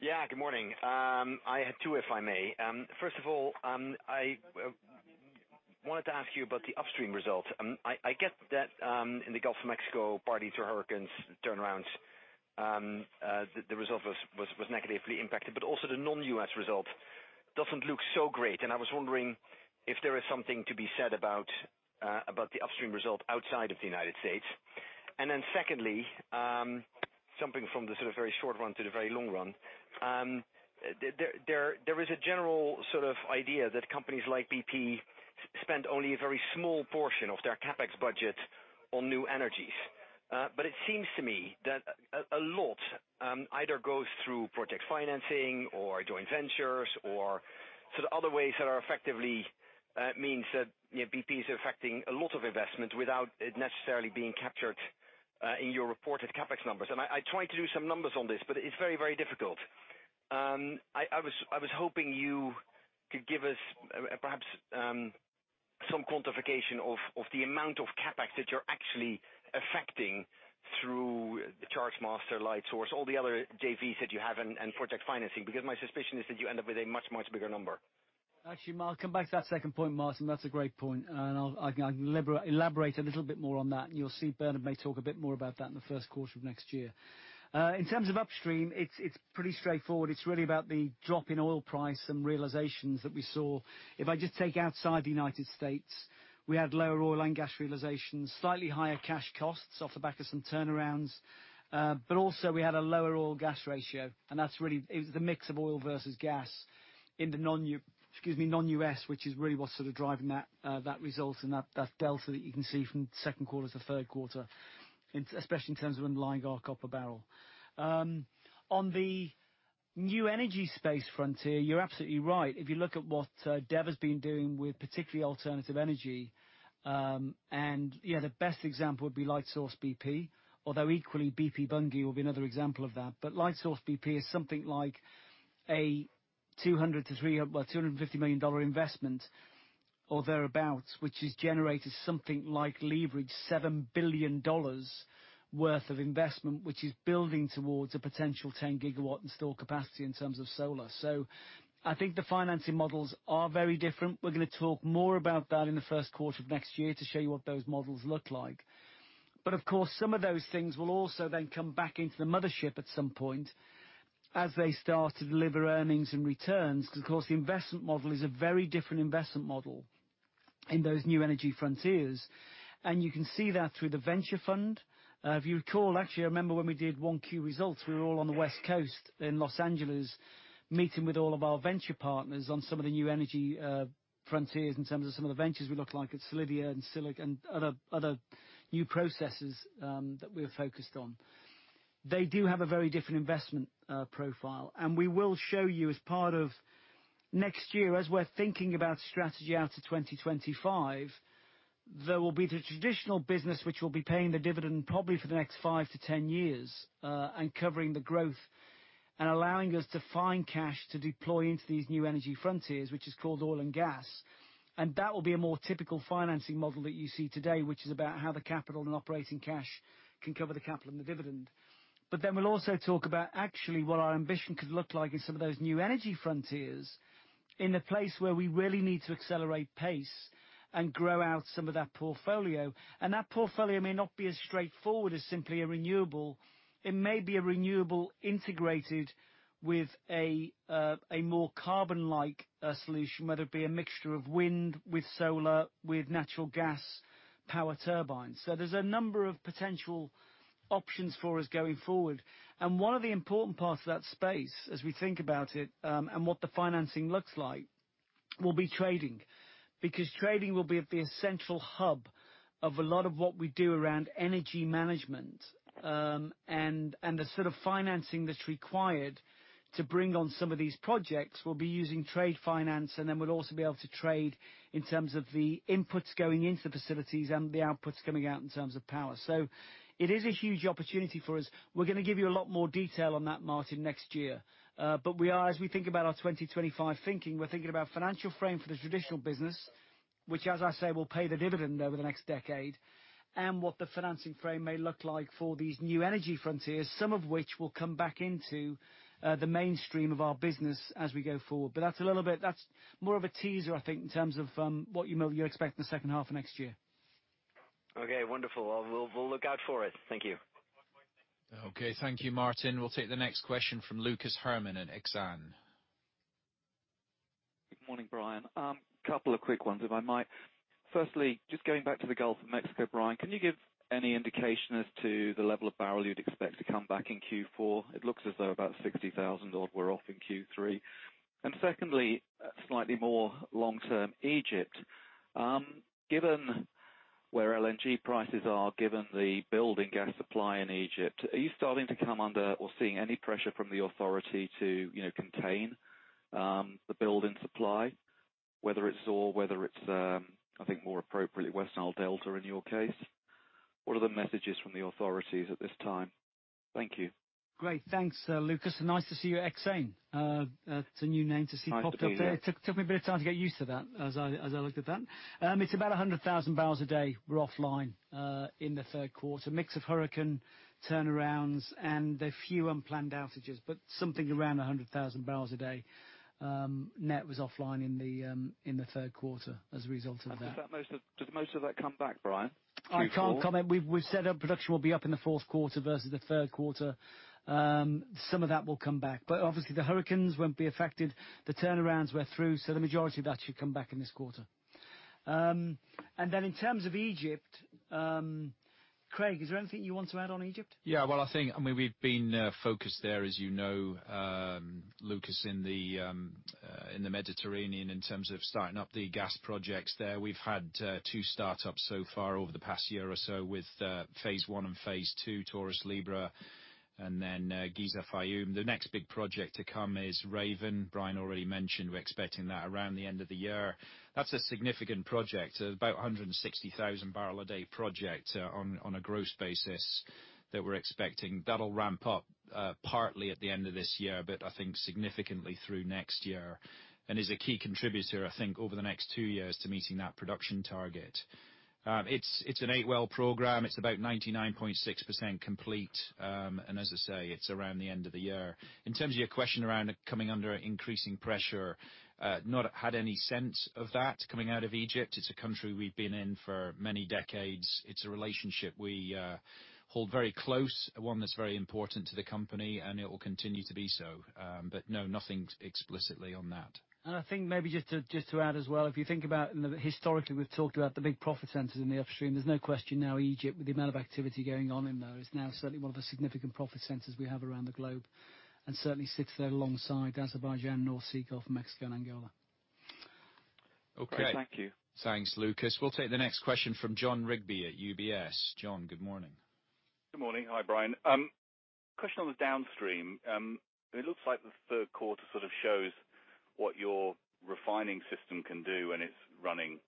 Yeah, good morning. I had two, if I may. First of all, I wanted to ask you about the upstream results. I get that in the Gulf of Mexico, partly to hurricanes, turnarounds, the result was negatively impacted, but also the non-U.S. result doesn't look so great. I was wondering if there is something to be said about the upstream result outside of the United States. Secondly, something from the sort of very short run to the very long run. There is a general sort of idea that companies like BP spend only a very small portion of their CapEx budget on new energies. It seems to me that a lot either goes through project financing or joint ventures or sort of other ways that effectively means that BP is affecting a lot of investment without it necessarily being captured in your reported CapEx numbers. I tried to do some numbers on this, but it's very difficult. I was hoping you could give us perhaps some quantification of the amount of CapEx that you're actually affecting through Chargemaster, Lightsource, all the other JVs that you have and project financing, because my suspicion is that you end up with a much bigger number. Actually, I'll come back to that second point, Martijn. That's a great point, and I can elaborate a little bit more on that. You'll see Bernard may talk a bit more about that in the first quarter of next year. In terms of upstream, it's pretty straightforward. It's really about the drop in oil price and realizations that we saw. If I just take outside the U.S., we had lower oil and gas realizations, slightly higher cash costs off the back of some turnarounds. Also we had a lower oil gas ratio, and that's really the mix of oil versus gas in the non-U.S., which is really what's sort of driving that result and that delta that you can see from second quarter to third quarter, especially in terms of underlying our cost per barrel. On the new energy space frontier, you're absolutely right. If you look at what Dev has been doing with particularly alternative energy, and the best example would be Lightsource BP, although equally BP Bunge will be another example of that. Lightsource BP is something like a $250 million investment, or thereabout, which has generated something like leveraged $7 billion worth of investment, which is building towards a potential 10 gigawatt install capacity in terms of solar. I think the financing models are very different. We're going to talk more about that in the first quarter of next year to show you what those models look like. Of course, some of those things will also then come back into the mothership at some point as they start to deliver earnings and returns. Of course, the investment model is a very different investment model in those new energy frontiers, and you can see that through the venture fund. If you recall, actually, I remember when we did 1Q results, we were all on the West Coast in Los Angeles, meeting with all of our venture partners on some of the new energy frontiers in terms of some of the ventures we looked like at Solidia and [Silic] and other new processes that we're focused on. They do have a very different investment profile, and we will show you as part of next year, as we're thinking about strategy out to 2025, there will be the traditional business which will be paying the dividend probably for the next 5 to 10 years, and covering the growth and allowing us to find cash to deploy into these new energy frontiers, which is called oil and gas. That will be a more typical financing model that you see today, which is about how the capital and operating cash can cover the capital and the dividend. Then we'll also talk about actually what our ambition could look like in some of those new energy frontiers, in the place where we really need to accelerate pace and grow out some of that portfolio. That portfolio may not be as straightforward as simply a renewable. It may be a renewable integrated with a more carbon-like solution, whether it be a mixture of wind with solar, with natural gas power turbines. There's a number of potential options for us going forward. One of the important parts of that space, as we think about it, and what the financing looks like, will be trading. Because trading will be at the essential hub of a lot of what we do around energy management. The sort of financing that's required to bring on some of these projects will be using trade finance, and then we'll also be able to trade in terms of the inputs going into the facilities and the outputs coming out in terms of power. It is a huge opportunity for us. We're going to give you a lot more detail on that, Martijn, next year. As we think about our 2025 thinking, we're thinking about financial frame for the traditional business, which, as I say, will pay the dividend over the next decade, and what the financing frame may look like for these new energy frontiers, some of which will come back into the mainstream of our business as we go forward. That's more of a teaser, I think, in terms of what you expect in the second half of next year. Okay, wonderful. We'll look out for it. Thank you. Okay. Thank you, Martijn. We'll take the next question from Lucas Herrmann at Exane. Good morning, Brian. Couple of quick ones, if I might. Just going back to the Gulf of Mexico, Brian, can you give any indication as to the level of barrel you'd expect to come back in Q4? It looks as though about 60,000 odd were off in Q3. Secondly, slightly more long-term, Egypt. Given where LNG prices are, given the building gas supply in Egypt, are you starting to come under or seeing any pressure from the authority to contain the build in supply, whether it's Zohr, whether it's, I think more appropriately, West Nile Delta in your case? What are the messages from the authorities at this time? Thank you. Great. Thanks, Lucas. Nice to see you at Exane. It's a new name to see. Hi, good to be here. popped up there. Took me a bit of time to get used to that as I looked at that. It's about 100,000 barrels a day were offline in the third quarter. Mix of hurricane turnarounds and a few unplanned outages, but something around 100,000 barrels a day net was offline in the third quarter as a result of that. Does most of that come back, Brian, Q4? I can't comment. We've said our production will be up in the fourth quarter versus the third quarter. Some of that will come back. Obviously the hurricanes won't be affected. The turnarounds we're through. The majority of that should come back in this quarter. Then in terms of Egypt, Craig, is there anything you want to add on Egypt? Yeah, we've been focused there as you know, Lucas, in the Mediterranean, in terms of starting up the gas projects there. We've had two startups so far over the past year or so with phase one and phase two, Taurus-Libra, and then Giza-Fayoum. The next big project to come is Raven. Brian already mentioned we're expecting that around the end of the year. That's a significant project. About 160,000 barrel a day project on a gross basis that we're expecting. That'll ramp up partly at the end of this year, but I think significantly through next year, and is a key contributor I think over the next two years to meeting that production target. It's an eight-well program. It's about 99.6% complete. As I say, it's around the end of the year. In terms of your question around it coming under increasing pressure, not had any sense of that coming out of Egypt. It's a country we've been in for many decades. It's a relationship we hold very close, one that's very important to the company and it will continue to be so. No, nothing explicitly on that. I think maybe just to add as well, if you think about historically, we've talked about the big profit centers in the upstream. There's no question now Egypt, with the amount of activity going on in there, is now certainly one of the significant profit centers we have around the globe. Certainly sits there alongside Azerbaijan, North Sea, Gulf of Mexico, and Angola. Okay. Great. Thank you. Thanks, Lucas. We'll take the next question from Jon Rigby at UBS. Jon, good morning. Good morning. Hi, Brian. Question on the downstream. It looks like the third quarter sort of shows what your refining system can do, and it's running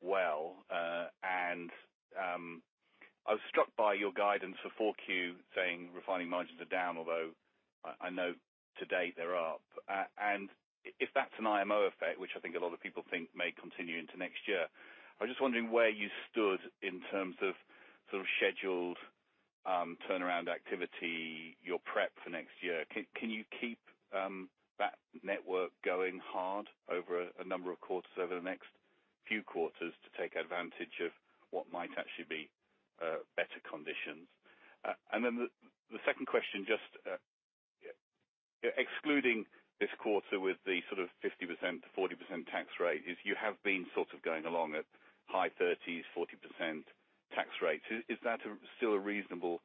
well. I was struck by your guidance for 4Q saying refining margins are down, although I know to date they're up. If that's an IMO effect, which I think a lot of people think may continue into next year, I was just wondering where you stood in terms of sort of scheduled turnaround activity, your prep for next year. Can you keep that network going hard over a number of quarters, over the next few quarters, to take advantage of what might actually be better conditions? Then the second question, just excluding this quarter with the sort of 50%-40% tax rate is you have been sort of going along at high 30s, 40% tax rates. Is that still a reasonable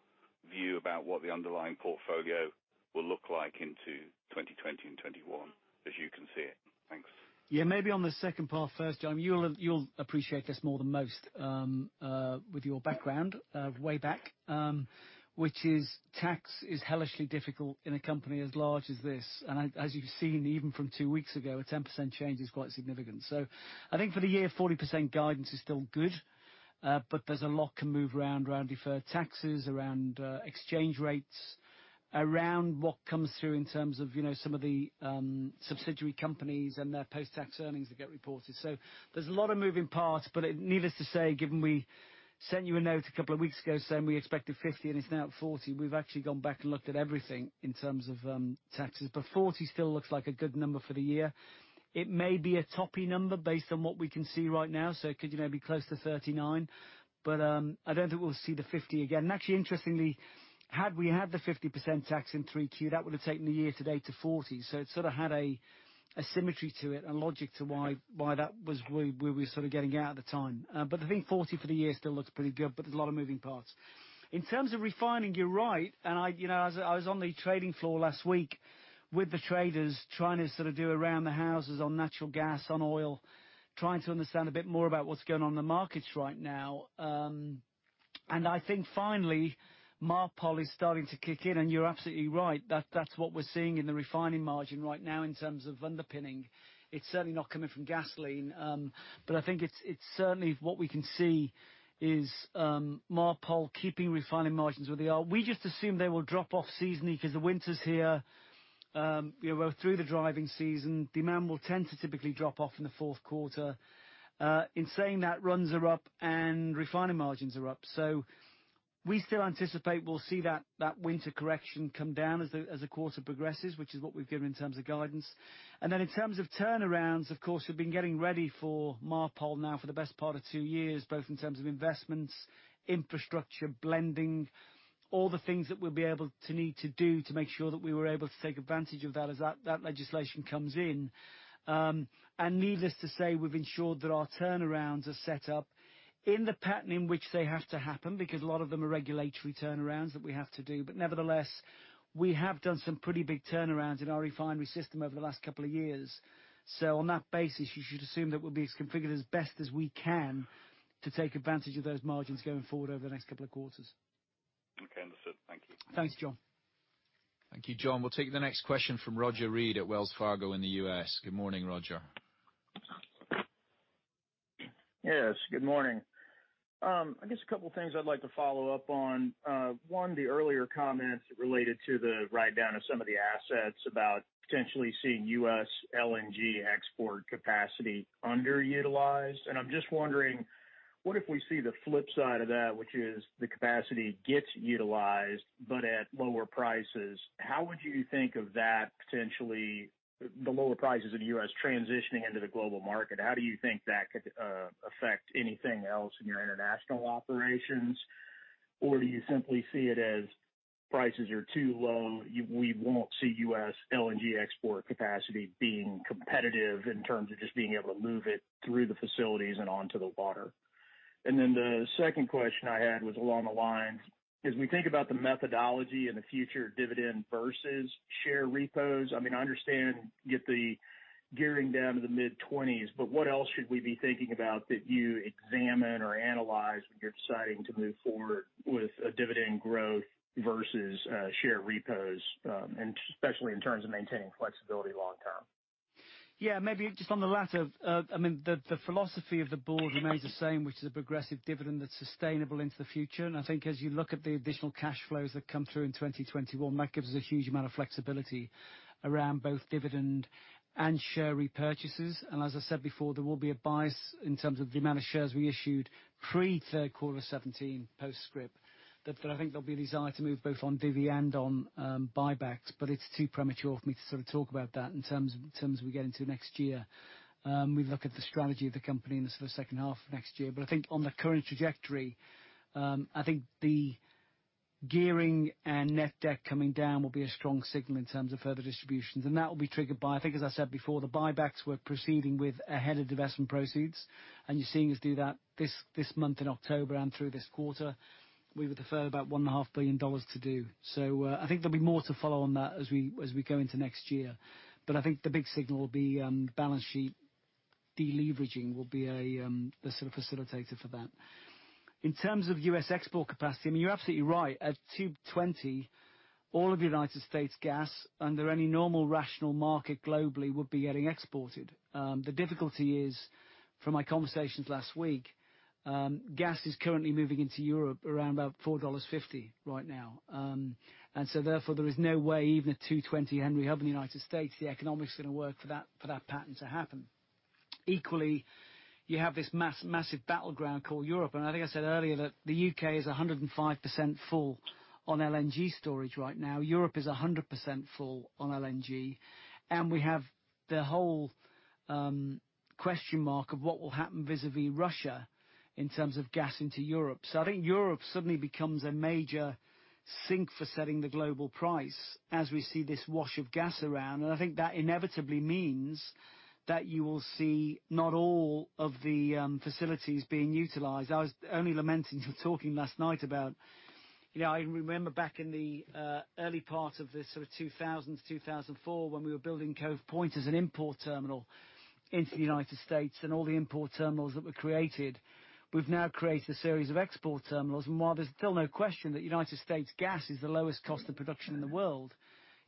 view about what the underlying portfolio will look like into 2020 and 2021 as you can see it? Thanks. Yeah. Maybe on the second part first, Jon, you'll appreciate this more than most with your background way back, which is tax is hellishly difficult in a company as large as this. As you've seen, even from two weeks ago, a 10% change is quite significant. I think for the year, 40% guidance is still good. There's a lot can move around deferred taxes, around exchange rates, around what comes through in terms of some of the subsidiary companies and their post-tax earnings that get reported. There's a lot of moving parts, but needless to say, given we sent you a note a couple of weeks ago saying we expected 50% and it's now at 40%, we've actually gone back and looked at everything in terms of taxes. 40% still looks like a good number for the year. It may be a toppy number based on what we can see right now, so it could maybe close to 39. I don't think we'll see the 50 again. Actually interestingly, had we had the 50% tax in 3Q, that would have taken the year to date to 40. It sort of had a symmetry to it and logic to why that was where we were sort of getting at the time. I think 40 for the year still looks pretty good, but there's a lot of moving parts. In terms of refining, you're right. I was on the trading floor last week with the traders trying to sort of do around the houses on natural gas, on oil, trying to understand a bit more about what's going on in the markets right now. I think finally, MARPOL is starting to kick in, and you're absolutely right. That's what we're seeing in the refining margin right now in terms of underpinning. It's certainly not coming from gasoline. I think it's certainly what we can see is MARPOL keeping refining margins where they are. We just assume they will drop off seasonally because the winter's here. We're through the driving season. Demand will tend to typically drop off in the fourth quarter. In saying that, runs are up and refining margins are up. We still anticipate we'll see that winter correction come down as the quarter progresses, which is what we've given in terms of guidance. In terms of turnarounds, of course we've been getting ready for MARPOL now for the best part of two years, both in terms of investments, infrastructure, blending, all the things that we'll be able to need to do to make sure that we were able to take advantage of that as that legislation comes in. Needless to say, we've ensured that our turnarounds are set up in the pattern in which they have to happen, because a lot of them are regulatory turnarounds that we have to do. Nevertheless, we have done some pretty big turnarounds in our refinery system over the last couple of years. On that basis, you should assume that we'll be as configured as best as we can to take advantage of those margins going forward over the next couple of quarters. Okay. Understood. Thank you. Thanks, Jon. Thank you, Jon. We'll take the next question from Roger Read at Wells Fargo in the U.S. Good morning, Roger. Yes. Good morning. I guess a couple of things I'd like to follow up on. One, the earlier comments related to the write-down of some of the assets about potentially seeing U.S. LNG export capacity underutilized. I'm just wondering, what if we see the flip side of that, which is the capacity gets utilized, but at lower prices? How would you think of that potentially, the lower prices of U.S. transitioning into the global market? How do you think that could affect anything else in your international operations? Do you simply see it as prices are too low, we won't see U.S. LNG export capacity being competitive in terms of just being able to move it through the facilities and onto the water? The second question I had was along the lines, as we think about the methodology and the future dividend versus share repos. I understand you get the gearing down to the mid-20s. What else should we be thinking about that you examine or analyze when you're deciding to move forward with a dividend growth versus share repos, especially in terms of maintaining flexibility long term? Yeah. Maybe just on the latter. The philosophy of the board remains the same, which is a progressive dividend that's sustainable into the future. I think as you look at the additional cash flows that come through in 2021, that gives us a huge amount of flexibility around both dividend and share repurchases. As I said before, there will be a bias in terms of the amount of shares we issued pre third quarter 2017, post script. I think there'll be a desire to move both on divi and on buybacks. It's too premature for me to talk about that in terms we get into next year. We look at the strategy of the company in the second half of next year. I think on the current trajectory, I think the gearing and net debt coming down will be a strong signal in terms of further distributions. That will be triggered by, I think as I said before, the buybacks we're proceeding with ahead of the investment proceeds. You're seeing us do that this month in October and through this quarter. We would defer about GBP 1.5 billion to do. I think there'll be more to follow on that as we go into next year. I think the big signal will be balance sheet de-leveraging will be the sort of facilitator for that. In terms of U.S. export capacity, you're absolutely right. At 2.20, all of U.S. gas under any normal rational market globally would be getting exported. The difficulty is, from my conversations last week, gas is currently moving into Europe around about GBP 4.50 right now. Therefore, there is no way even at 2.20 Henry Hub in the U.S., the economics is going to work for that pattern to happen. Equally, you have this massive battleground called Europe. I think I said earlier that the U.K. is 105% full on LNG storage right now. Europe is 100% full on LNG. We have the whole question mark of what will happen vis-a-vis Russia in terms of gas into Europe. I think Europe suddenly becomes a major sink for setting the global price as we see this wash of gas around. I think that inevitably means that you will see not all of the facilities being utilized. I was only lamenting to talking last night about, I remember back in the early part of the sort of 2000 to 2004 when we were building Cove Point as an import terminal into the United States and all the import terminals that were created. We've now created a series of export terminals. While there's still no question that United States gas is the lowest cost of production in the world,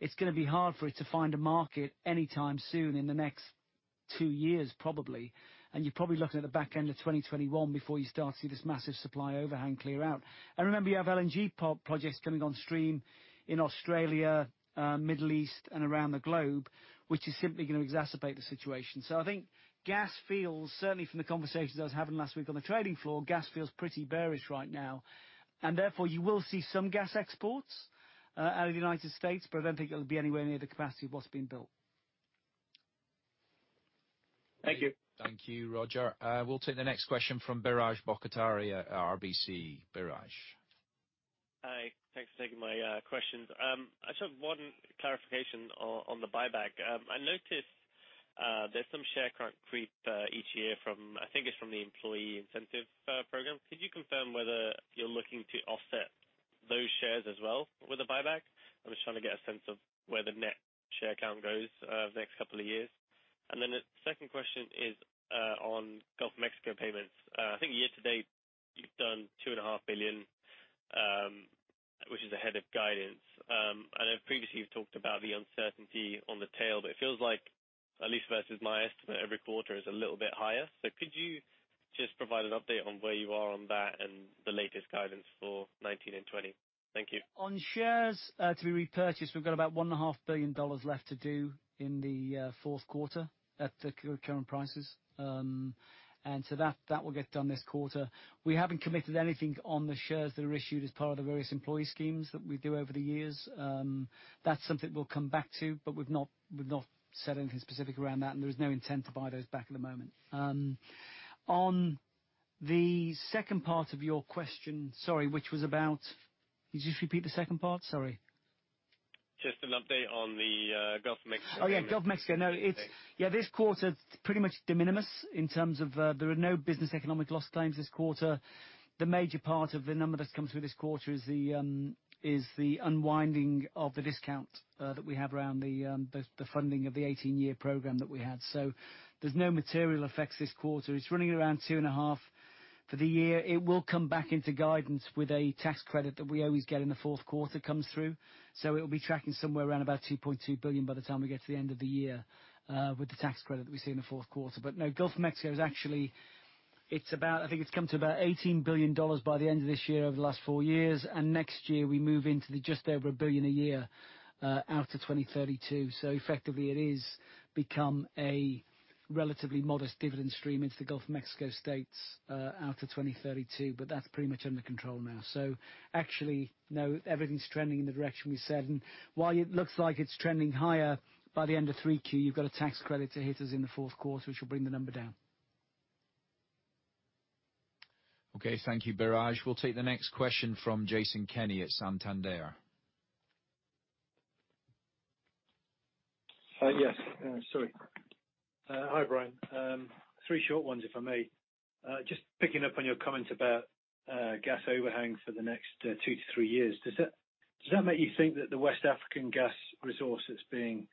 it's going to be hard for it to find a market anytime soon in the next two years, probably. You're probably looking at the back end of 2021 before you start to see this massive supply overhang clear out. Remember, you have LNG projects coming on stream in Australia, Middle East, and around the globe, which is simply going to exacerbate the situation. I think gas feels, certainly from the conversations I was having last week on the trading floor, gas feels pretty bearish right now. Therefore, you will see some gas exports out of the United States, but I don't think it'll be anywhere near the capacity of what's been built. Thank you. Thank you, Roger. We'll take the next question from Biraj Borkhataria at RBC. Biraj. Hi. Thanks for taking my questions. I just have one clarification on the buyback. I noticed there's some share count creep each year from the employee incentive program. Could you confirm whether you're looking to offset those shares as well with a buyback? I'm just trying to get a sense of where the net share count goes over the next couple of years. The second question is on Gulf of Mexico payments. I think year to date you've done 2.5 billion, which is ahead of guidance. I know previously you've talked about the uncertainty on the tail, it feels like at least versus my estimate every quarter is a little bit higher. Could you just provide an update on where you are on that and the latest guidance for 2019 and 2020? Thank you. On shares to be repurchased, we've got about $1.5 billion left to do in the fourth quarter at the current prices. That will get done this quarter. We haven't committed anything on the shares that are issued as part of the various employee schemes that we do over the years. That's something we'll come back to, but we've not said anything specific around that, and there is no intent to buy those back at the moment. On the second part of your question, sorry, which was about? Could you just repeat the second part? Sorry. Just an update on the Gulf of Mexico. Yeah. Gulf of Mexico. No. Yeah, this quarter, pretty much de minimis in terms of there are no business economic loss claims this quarter. The major part of the number that's come through this quarter is the unwinding of the discount that we have around the funding of the 18-year program that we had. There's no material effects this quarter. It's running around two and a half. For the year, it will come back into guidance with a tax credit that we always get in the fourth quarter comes through. It'll be tracking somewhere around about 2.2 billion by the time we get to the end of the year with the tax credit that we see in the fourth quarter. No, Gulf of Mexico is actually, I think it's come to about GBP 18 billion by the end of this year over the last four years. Next year, we move into just over 1 billion a year out to 2032. Effectively, it has become a relatively modest dividend stream into the Gulf of Mexico states out to 2032. That's pretty much under control now. Actually, no, everything's trending in the direction we said. While it looks like it's trending higher, by the end of 3Q, you've got a tax credit to hit us in the fourth quarter, which will bring the number down. Okay. Thank you, Biraj. We will take the next question from Jason Kenney at Santander. Yes. Sorry. Hi, Brian. Three short ones, if I may. Just picking up on your comment about gas overhang for the next two to three years. Does that make you think that the West African gas resource that's being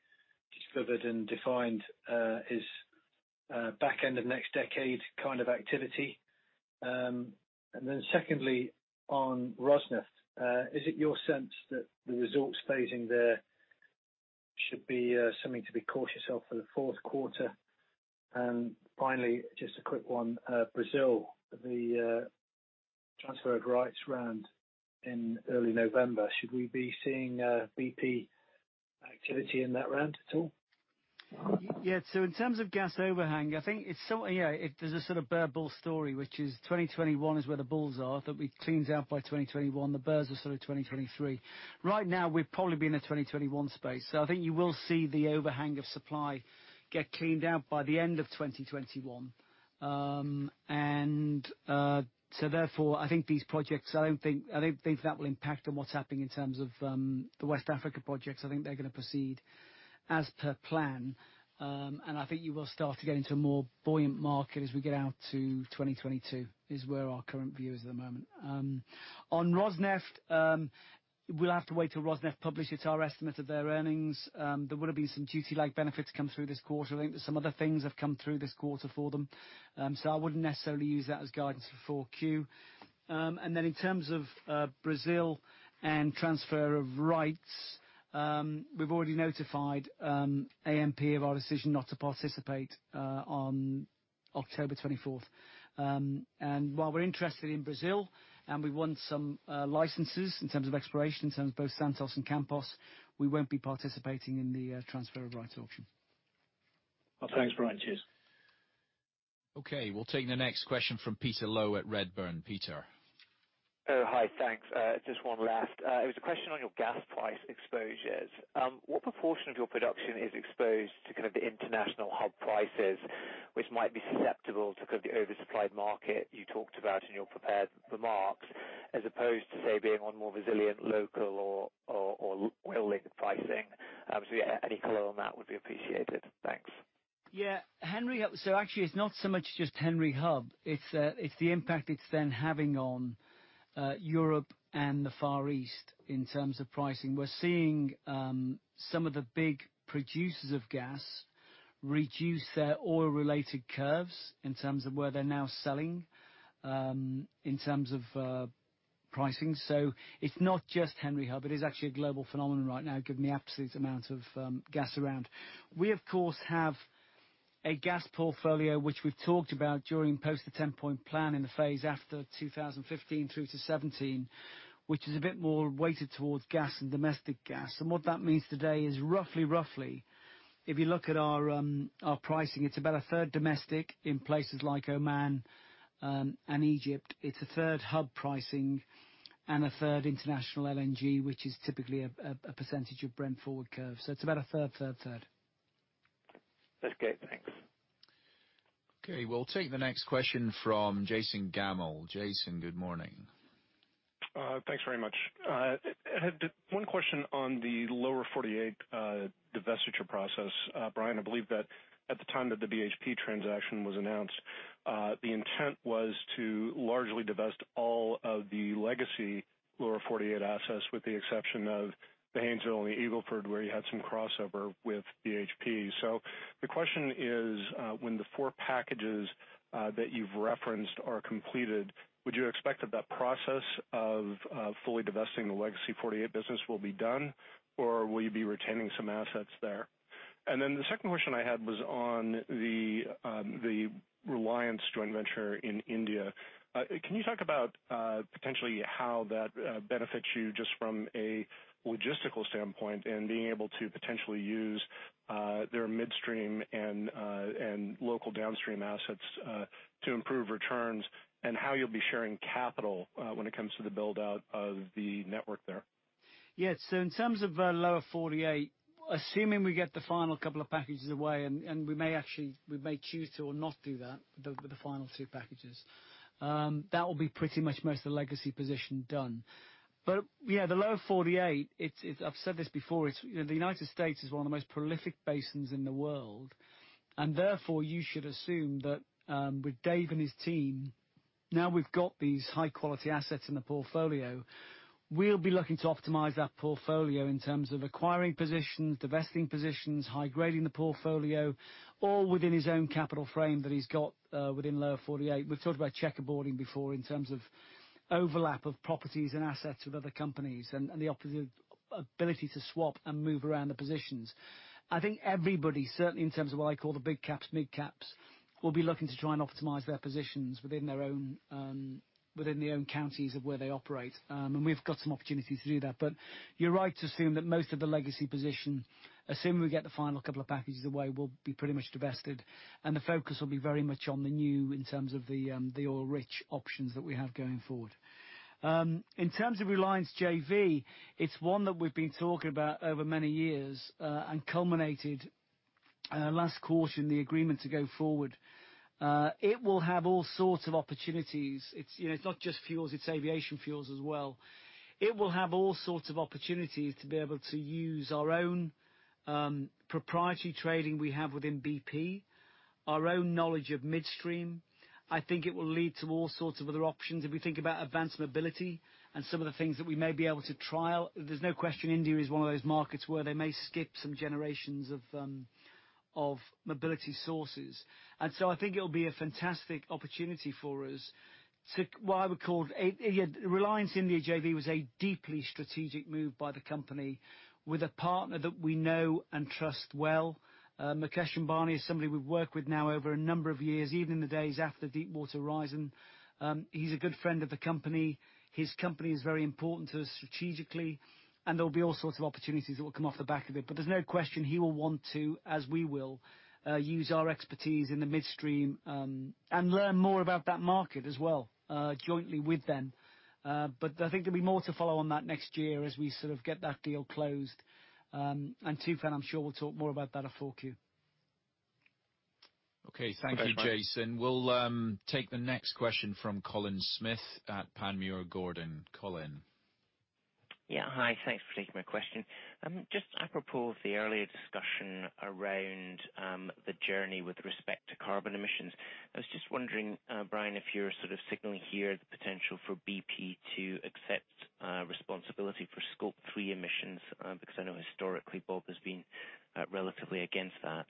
discovered and defined is back end of next decade kind of activity? Secondly, on Rosneft. Is it your sense that the resource phasing there should be something to be cautious of for the fourth quarter? Finally, just a quick one. Brazil, the transferred rights round in early November, should we be seeing BP activity in that round at all? In terms of gas overhang, there's a sort of bear-bull story, which is 2021 is where the bulls are, that we cleaned out by 2021. The bears are sort of 2023. Right now, we've probably been in a 2021 space. I think you will see the overhang of supply get cleaned out by the end of 2021. Therefore, I think these projects, I don't think that will impact on what's happening in terms of the West Africa projects. I think they're going to proceed as per plan. I think you will start to get into a more buoyant market as we get out to 2022, is where our current view is at the moment. On Rosneft, we'll have to wait till Rosneft publish its R estimate of their earnings. There would have been some duty-linked benefits come through this quarter. I think that some other things have come through this quarter for them. I wouldn't necessarily use that as guidance for 4Q. In terms of Brazil and Transfer of Rights, we've already notified ANP of our decision not to participate on October 24th. While we're interested in Brazil and we want some licenses in terms of exploration in terms of both Santos and Campos, we won't be participating in the Transfer of Rights auction. Thanks, Brian. Cheers. Okay. We'll take the next question from Peter Low at Redburn. Peter. Oh, hi. Thanks. Just one last. It was a question on your gas price exposures. What proportion of your production is exposed to kind of the international hub prices, which might be susceptible to kind of the oversupplied market you talked about in your prepared remarks, as opposed to, say, being on more resilient local or oil-linked pricing? Obviously, any color on that would be appreciated. Thanks. Actually, it's not so much just Henry Hub, it's the impact it's then having on Europe and the Far East in terms of pricing. We're seeing some of the big producers of gas reduce their oil-related curves in terms of where they're now selling in terms of pricing. It's not just Henry Hub. It is actually a global phenomenon right now, given the absolute amount of gas around. We, of course, have a gas portfolio which we've talked about during post the 10-point Plan in the phase after 2015 through to 2017, which is a bit more weighted towards gas and domestic gas. What that means today is roughly, if you look at our pricing, it's about a third domestic in places like Oman and Egypt. It's a third hub pricing and a third international LNG, which is typically a percentage of Brent forward curve. It's about a third, third. Okay, thanks. Okay. We'll take the next question from Jason Gabelman. Jason, good morning. Thanks very much. I had one question on the Lower 48 divestiture process. Brian, I believe that at the time that the BHP transaction was announced, the intent was to largely divest all of the legacy Lower 48 assets, with the exception of the Haynesville and the Eagle Ford, where you had some crossover with BHP. The question is, when the four packages that you've referenced are completed, would you expect that process of fully divesting the legacy 48 business will be done, or will you be retaining some assets there? The second question I had was on the Reliance joint venture in India. Can you talk about potentially how that benefits you just from a logistical standpoint and being able to potentially use their midstream and local downstream assets to improve returns, and how you'll be sharing capital when it comes to the build-out of the network there? Yeah. In terms of Lower 48, assuming we get the final couple of packages away, and we may choose to or not do that with the final two packages. That will be pretty much most of the legacy position done. Yeah, the Lower 48, I've said this before, the United States is one of the most prolific basins in the world. Therefore, you should assume that with Dave and his team, now we've got these high-quality assets in the portfolio, we'll be looking to optimize that portfolio in terms of acquiring positions, divesting positions, high-grading the portfolio, all within his own capital frame that he's got within Lower 48. We've talked about checkerboarding before in terms of overlap of properties and assets with other companies, and the ability to swap and move around the positions. I think everybody, certainly in terms of what I call the big caps, mid caps, will be looking to try and optimize their positions within their own counties of where they operate. We've got some opportunities to do that. You're right to assume that most of the legacy position, assuming we get the final couple of packages away, will be pretty much divested, and the focus will be very much on the new in terms of the oil-rich options that we have going forward. In terms of Reliance JV, it's one that we've been talking about over many years, and culminated last quarter in the agreement to go forward. It will have all sorts of opportunities. It's not just fuels, it's aviation fuels as well. It will have all sorts of opportunities to be able to use our own proprietary trading we have within BP, our own knowledge of midstream. I think it will lead to all sorts of other options. If we think about advanced mobility and some of the things that we may be able to trial, there's no question India is one of those markets where they may skip some generations of mobility sources. I think it'll be a fantastic opportunity for us. Reliance India JV was a deeply strategic move by the company with a partner that we know and trust well. Mukesh Ambani is somebody we've worked with now over a number of years, even in the days after Deepwater Horizon. He's a good friend of the company. His company is very important to us strategically, there'll be all sorts of opportunities that will come off the back of it. There's no question he will want to, as we will, use our expertise in the midstream, and learn more about that market as well, jointly with them. I think there'll be more to follow on that next year as we sort of get that deal closed. Tufan, I'm sure, will talk more about that at 4Q. Okay. Thank you, Jason. We'll take the next question from Colin Smith at Panmure Gordon. Colin. Yeah. Hi, thanks for taking my question. Just apropos of the earlier discussion around the journey with respect to carbon emissions, I was just wondering, Brian, if you're sort of signaling here the potential for BP to accept responsibility for Scope 3 emissions, because I know historically BP has been relatively against that.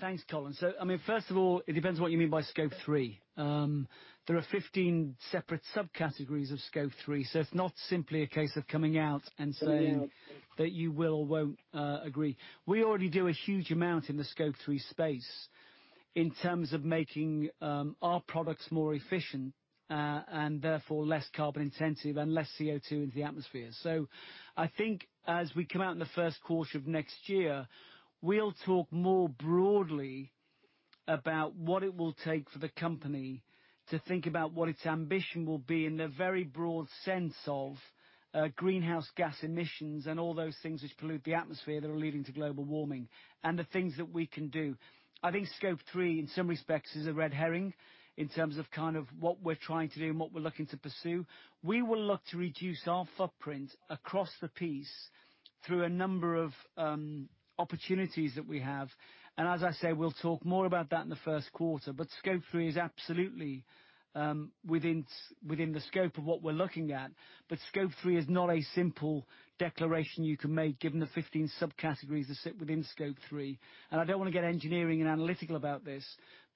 Thanks, Colin. First of all, it depends what you mean by Scope 3. There are 15 separate subcategories of Scope 3. It's not simply a case of coming out and saying that you will or won't agree. We already do a huge amount in the Scope 3 space in terms of making our products more efficient, and therefore less carbon-intensive and less CO2 into the atmosphere. I think as we come out in the first quarter of next year, we'll talk more broadly about what it will take for the company to think about what its ambition will be in the very broad sense of greenhouse gas emissions and all those things which pollute the atmosphere that are leading to global warming, and the things that we can do. I think Scope 3, in some respects, is a red herring in terms of what we're trying to do and what we're looking to pursue. We will look to reduce our footprint across the piece through a number of opportunities that we have. As I say, we'll talk more about that in the first quarter. Scope 3 is absolutely within the scope of what we're looking at. Scope 3 is not a simple declaration you can make given the 15 subcategories that sit within Scope 3. I don't want to get engineering and analytical about this,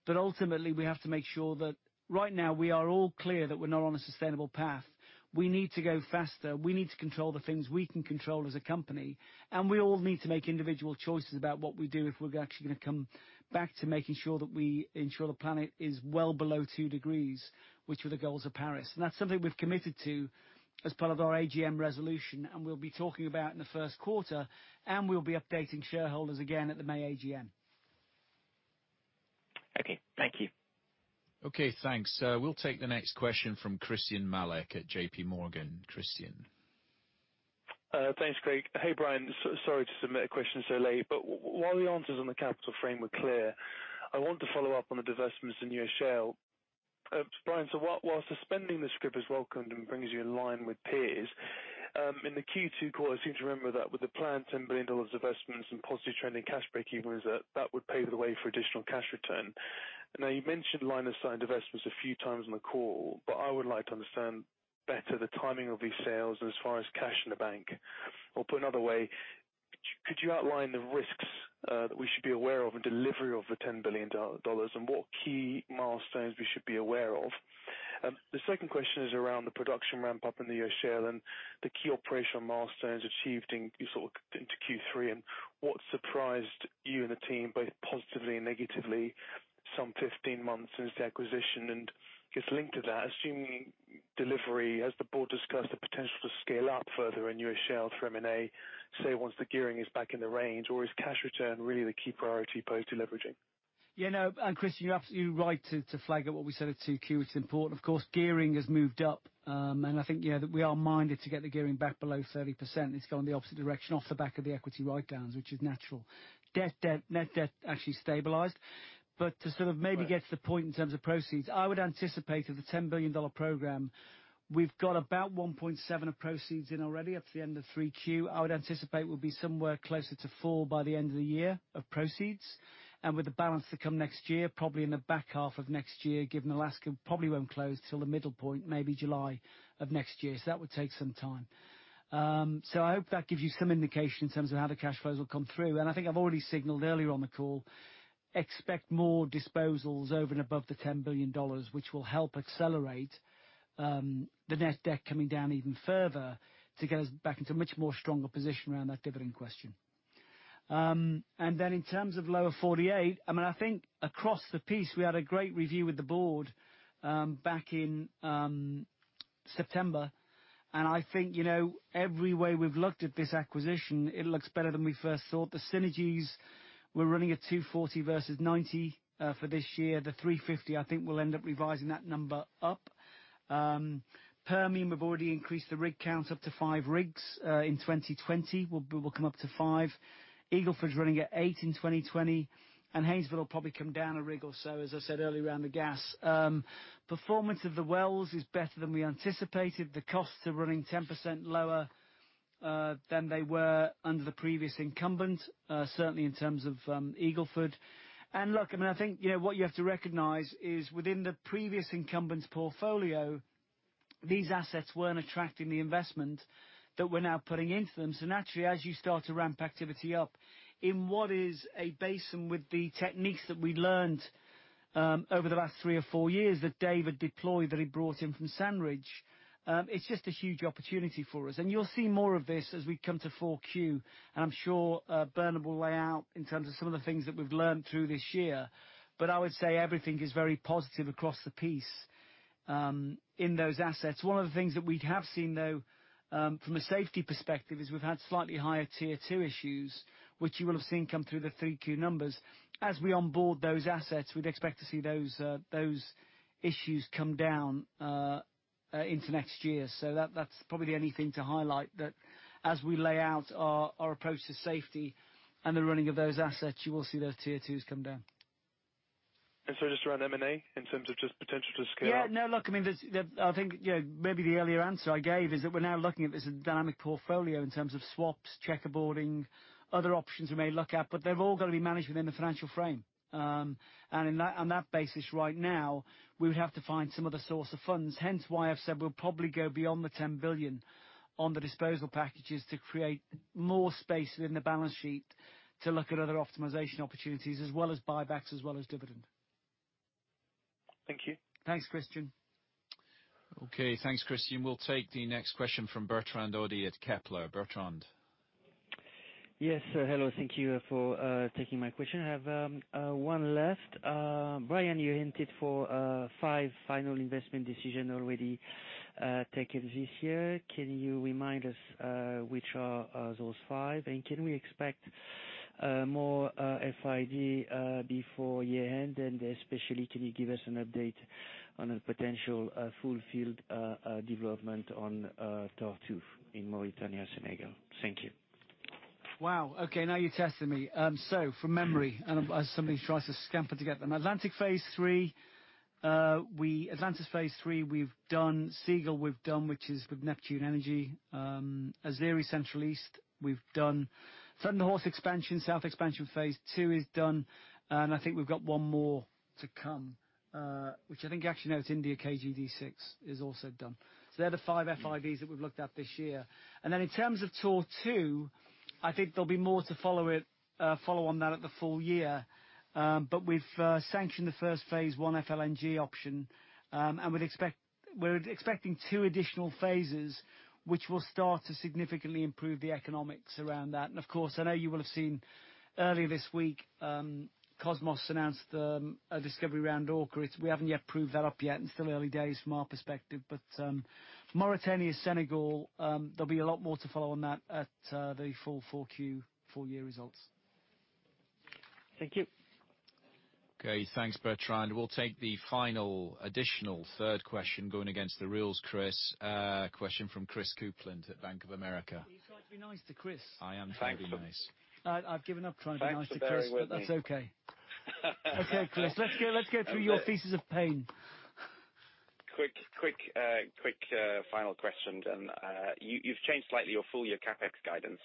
but ultimately we have to make sure that right now we are all clear that we're not on a sustainable path. We need to go faster. We need to control the things we can control as a company, and we all need to make individual choices about what we do if we're actually going to come back to making sure that we ensure the planet is well below two degrees, which were the goals of Paris. That's something we've committed to as part of our AGM resolution, and we'll be talking about in the first quarter, and we'll be updating shareholders again at the May AGM. Okay. Thank you. Okay, thanks. We'll take the next question from Christyan Malek at JPMorgan. Christyan. Thanks, Craig. Hey, Brian. Sorry to submit a question so late, while the answers on the capital frame were clear, I want to follow up on the divestments in your schedule. Brian, while suspending the script is welcomed and brings you in line with peers, in the Q2 call, I seem to remember that with the planned $10 billion divestments and positive trending cash breakevens, that that would pave the way for additional cash return. I know you mentioned line of sight investments a few times on the call, but I would like to understand better the timing of these sales as far as cash in the bank. Put another way, could you outline the risks that we should be aware of in delivery of the $10 billion, and what key milestones we should be aware of? The second question is around the production ramp-up in bpx energy and the key operational milestones achieved into Q3, and what surprised you and the team, both positively and negatively, some 15 months since the acquisition? Just linked to that, assuming delivery, has the board discussed the potential to scale up further in bpx energy through M&A, say, once the gearing is back in the range, or is cash return really the key priority post-deleveraging? Yeah. No. Christyan, you're absolutely right to flag up what we said at 2Q. It's important. Of course, gearing has moved up. I think that we are minded to get the gearing back below 30%. It's gone the opposite direction off the back of the equity write-downs, which is natural. Net debt actually stabilized. To sort of maybe get to the point in terms of proceeds, I would anticipate of the $10 billion program, we've got about $1.7 of proceeds in already up to the end of 3Q. I would anticipate we'll be somewhere closer to $4 by the end of the year of proceeds. With the balance to come next year, probably in the back half of next year, given Alaska probably won't close till the middle point, maybe July of next year. That would take some time. I hope that gives you some indication in terms of how the cash flows will come through. I think I've already signaled earlier on the call. Expect more disposals over and above the GBP 10 billion, which will help accelerate the net debt coming down even further to get us back into a much stronger position around that dividend question. In terms of Lower 48, I think across the piece, we had a great review with the board back in September. I think, every way we've looked at this acquisition, it looks better than we first thought. The synergies were running at 240 versus 90 for this year. The 350, I think we'll end up revising that number up. Permian, we've already increased the rig count up to five rigs. In 2020, we will come up to five. Eagle Ford is running at eight in 2020. Haynesville will probably come down a rig or so, as I said earlier, around the gas. Performance of the wells is better than we anticipated. The costs are running 10% lower than they were under the previous incumbent, certainly in terms of Eagle Ford. Look, I think what you have to recognize is within the previous incumbent's portfolio, these assets weren't attracting the investment that we're now putting into them. Naturally, as you start to ramp activity up in what is a basin with the techniques that we learned over the last three or four years that David deployed, that he brought in from SandRidge, it's just a huge opportunity for us. You'll see more of this as we come to 4Q. I'm sure Bernard will lay out in terms of some of the things that we've learned through this year. I would say everything is very positive across the piece in those assets. One of the things that we have seen, though, from a safety perspective, is we've had slightly higher tier 2 issues, which you will have seen come through the 3Q numbers. As we onboard those assets, we'd expect to see those issues come down into next year. That's probably the only thing to highlight, that as we lay out our approach to safety and the running of those assets, you will see those tier 2s come down. Just around M&A in terms of just potential to scale? Yeah. No, look, I think maybe the earlier answer I gave is that we're now looking at this as a dynamic portfolio in terms of swaps, checkerboarding, other options we may look at, but they've all got to be managed within the financial frame. On that basis right now, we would have to find some other source of funds, hence why I've said we'll probably go beyond the 10 billion on the disposal packages to create more space within the balance sheet to look at other optimization opportunities, as well as buybacks, as well as dividend. Thank you. Thanks, Christyan. Okay. Thanks, Christyan. We'll take the next question from Bertrand Hodee at Kepler. Bertrand. Yes. Hello, thank you for taking my question. I have one left. Brian, you hinted for five final investment decision already taken this year. Can you remind us which are those five? Can we expect more FID before year-end? Especially, can you give us an update on a potential full field development on Tortue in Mauritania, Senegal? Thank you. Wow. Okay, now you're testing me. From memory, as somebody who tries to scamper to get them. Atlantis Phase 3 we've done. Seagull we've done, which is with Neptune Energy. Azeri Central East, we've done. Thunder Horse expansion, South expansion phase 2 is done. I think we've got one more to come, which I think actually now it's India KG D6 is also done. They're the five FIDs that we've looked at this year. In terms of Tortue, I think there'll be more to follow on that at the full year. We've sanctioned the first phase 1 FLNG option, and we're expecting two additional phases, which will start to significantly improve the economics around that. Of course, I know you will have seen earlier this week, Kosmos announced a discovery around Orca. We haven't yet proved that up yet. It's still early days from our perspective. Mauritania, Senegal, there'll be a lot more to follow on that at the full 4Q, full year results. Thank you. Okay, thanks, Bertrand. We'll take the final additional third question, going against the rules, Chris. Question from Chris Kuplent at Bank of America. You've got to be nice to Chris. I am trying to be nice. I've given up trying to be nice to Chris. Thanks for bearing with me. That's okay. Okay, Chris, let's go through your pieces of pain. Quick final question. You've changed slightly your full year CapEx guidance.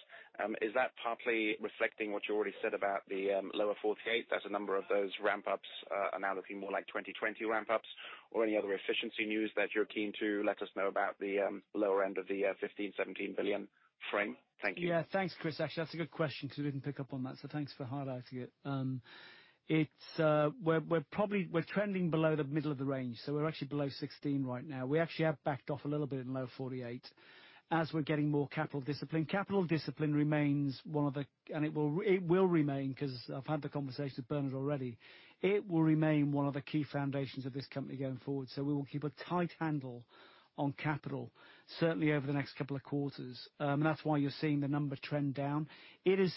Is that partly reflecting what you already said about the Lower 48 as a number of those ramp ups are now looking more like 2020 ramp ups? Or any other efficiency news that you're keen to let us know about the lower end of the 15 billion-17 billion frame? Thank you. Yeah. Thanks, Chris. Actually, that's a good question because we didn't pick up on that. Thanks for highlighting it. We're trending below the middle of the range, we're actually below 16 right now. We actually have backed off a little bit in Lower 48. As we're getting more capital discipline. Capital discipline remains, and it will remain, because I've had the conversation with Bernard already. It will remain one of the key foundations of this company going forward. We will keep a tight handle on capital, certainly over the next couple of quarters. That's why you're seeing the number trend down. It has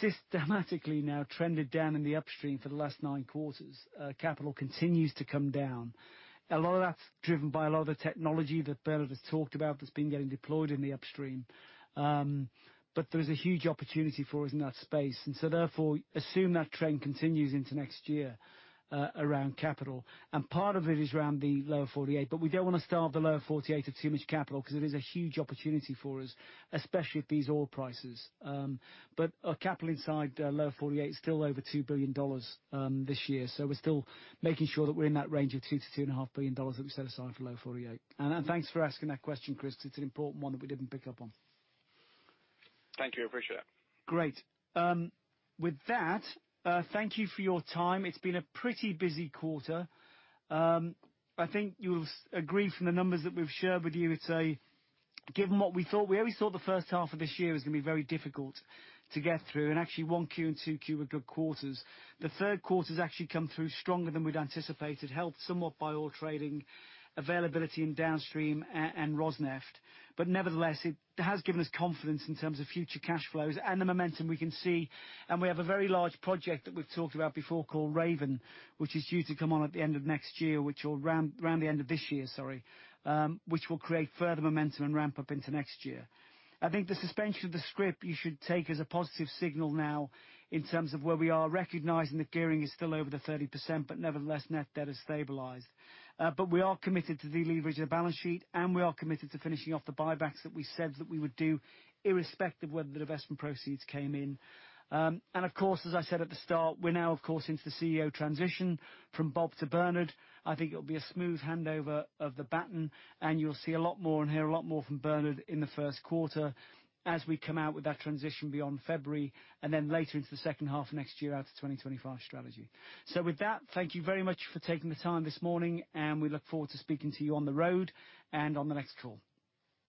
systematically now trended down in the upstream for the last nine quarters. Capital continues to come down. A lot of that's driven by a lot of the technology that Bernard has talked about that's been getting deployed in the upstream. There is a huge opportunity for us in that space. Therefore, assume that trend continues into next year around capital. Part of it is around the Lower 48, but we don't want to starve the Lower 48 of too much capital because it is a huge opportunity for us, especially at these oil prices. Our capital inside Lower 48 is still over $2 billion this year. We're still making sure that we're in that range of $2 billion-$2.5 billion that we've set aside for Lower 48. Thanks for asking that question, Chris. It's an important one that we didn't pick up on. Thank you. I appreciate it. Great. With that, thank you for your time. It's been a pretty busy quarter. I think you'll agree from the numbers that we've shared with you, I'd say given what we thought, we always thought the first half of this year was going to be very difficult to get through, and actually 1Q and 2Q were good quarters. The third quarter's actually come through stronger than we'd anticipated, helped somewhat by oil trading availability in Downstream and Rosneft. Nevertheless, it has given us confidence in terms of future cash flows and the momentum we can see. We have a very large project that we've talked about before called Raven, which is due to come on at the end of next year, around the end of this year, sorry, which will create further momentum and ramp up into next year. I think the suspension of the scrip you should take as a positive signal now in terms of where we are recognizing the gearing is still over the 30%, but nevertheless, net debt has stabilized. We are committed to deleveraging the balance sheet, and we are committed to finishing off the buybacks that we said that we would do irrespective of whether the investment proceeds came in. Of course, as I said at the start, we're now, of course, into the CEO transition from Bob to Bernard. I think it'll be a smooth handover of the baton, and you'll see a lot more and hear a lot more from Bernard in the first quarter as we come out with that transition beyond February, and then later into the second half of next year out to 2025 strategy. With that, thank you very much for taking the time this morning, and we look forward to speaking to you on the road and on the next call.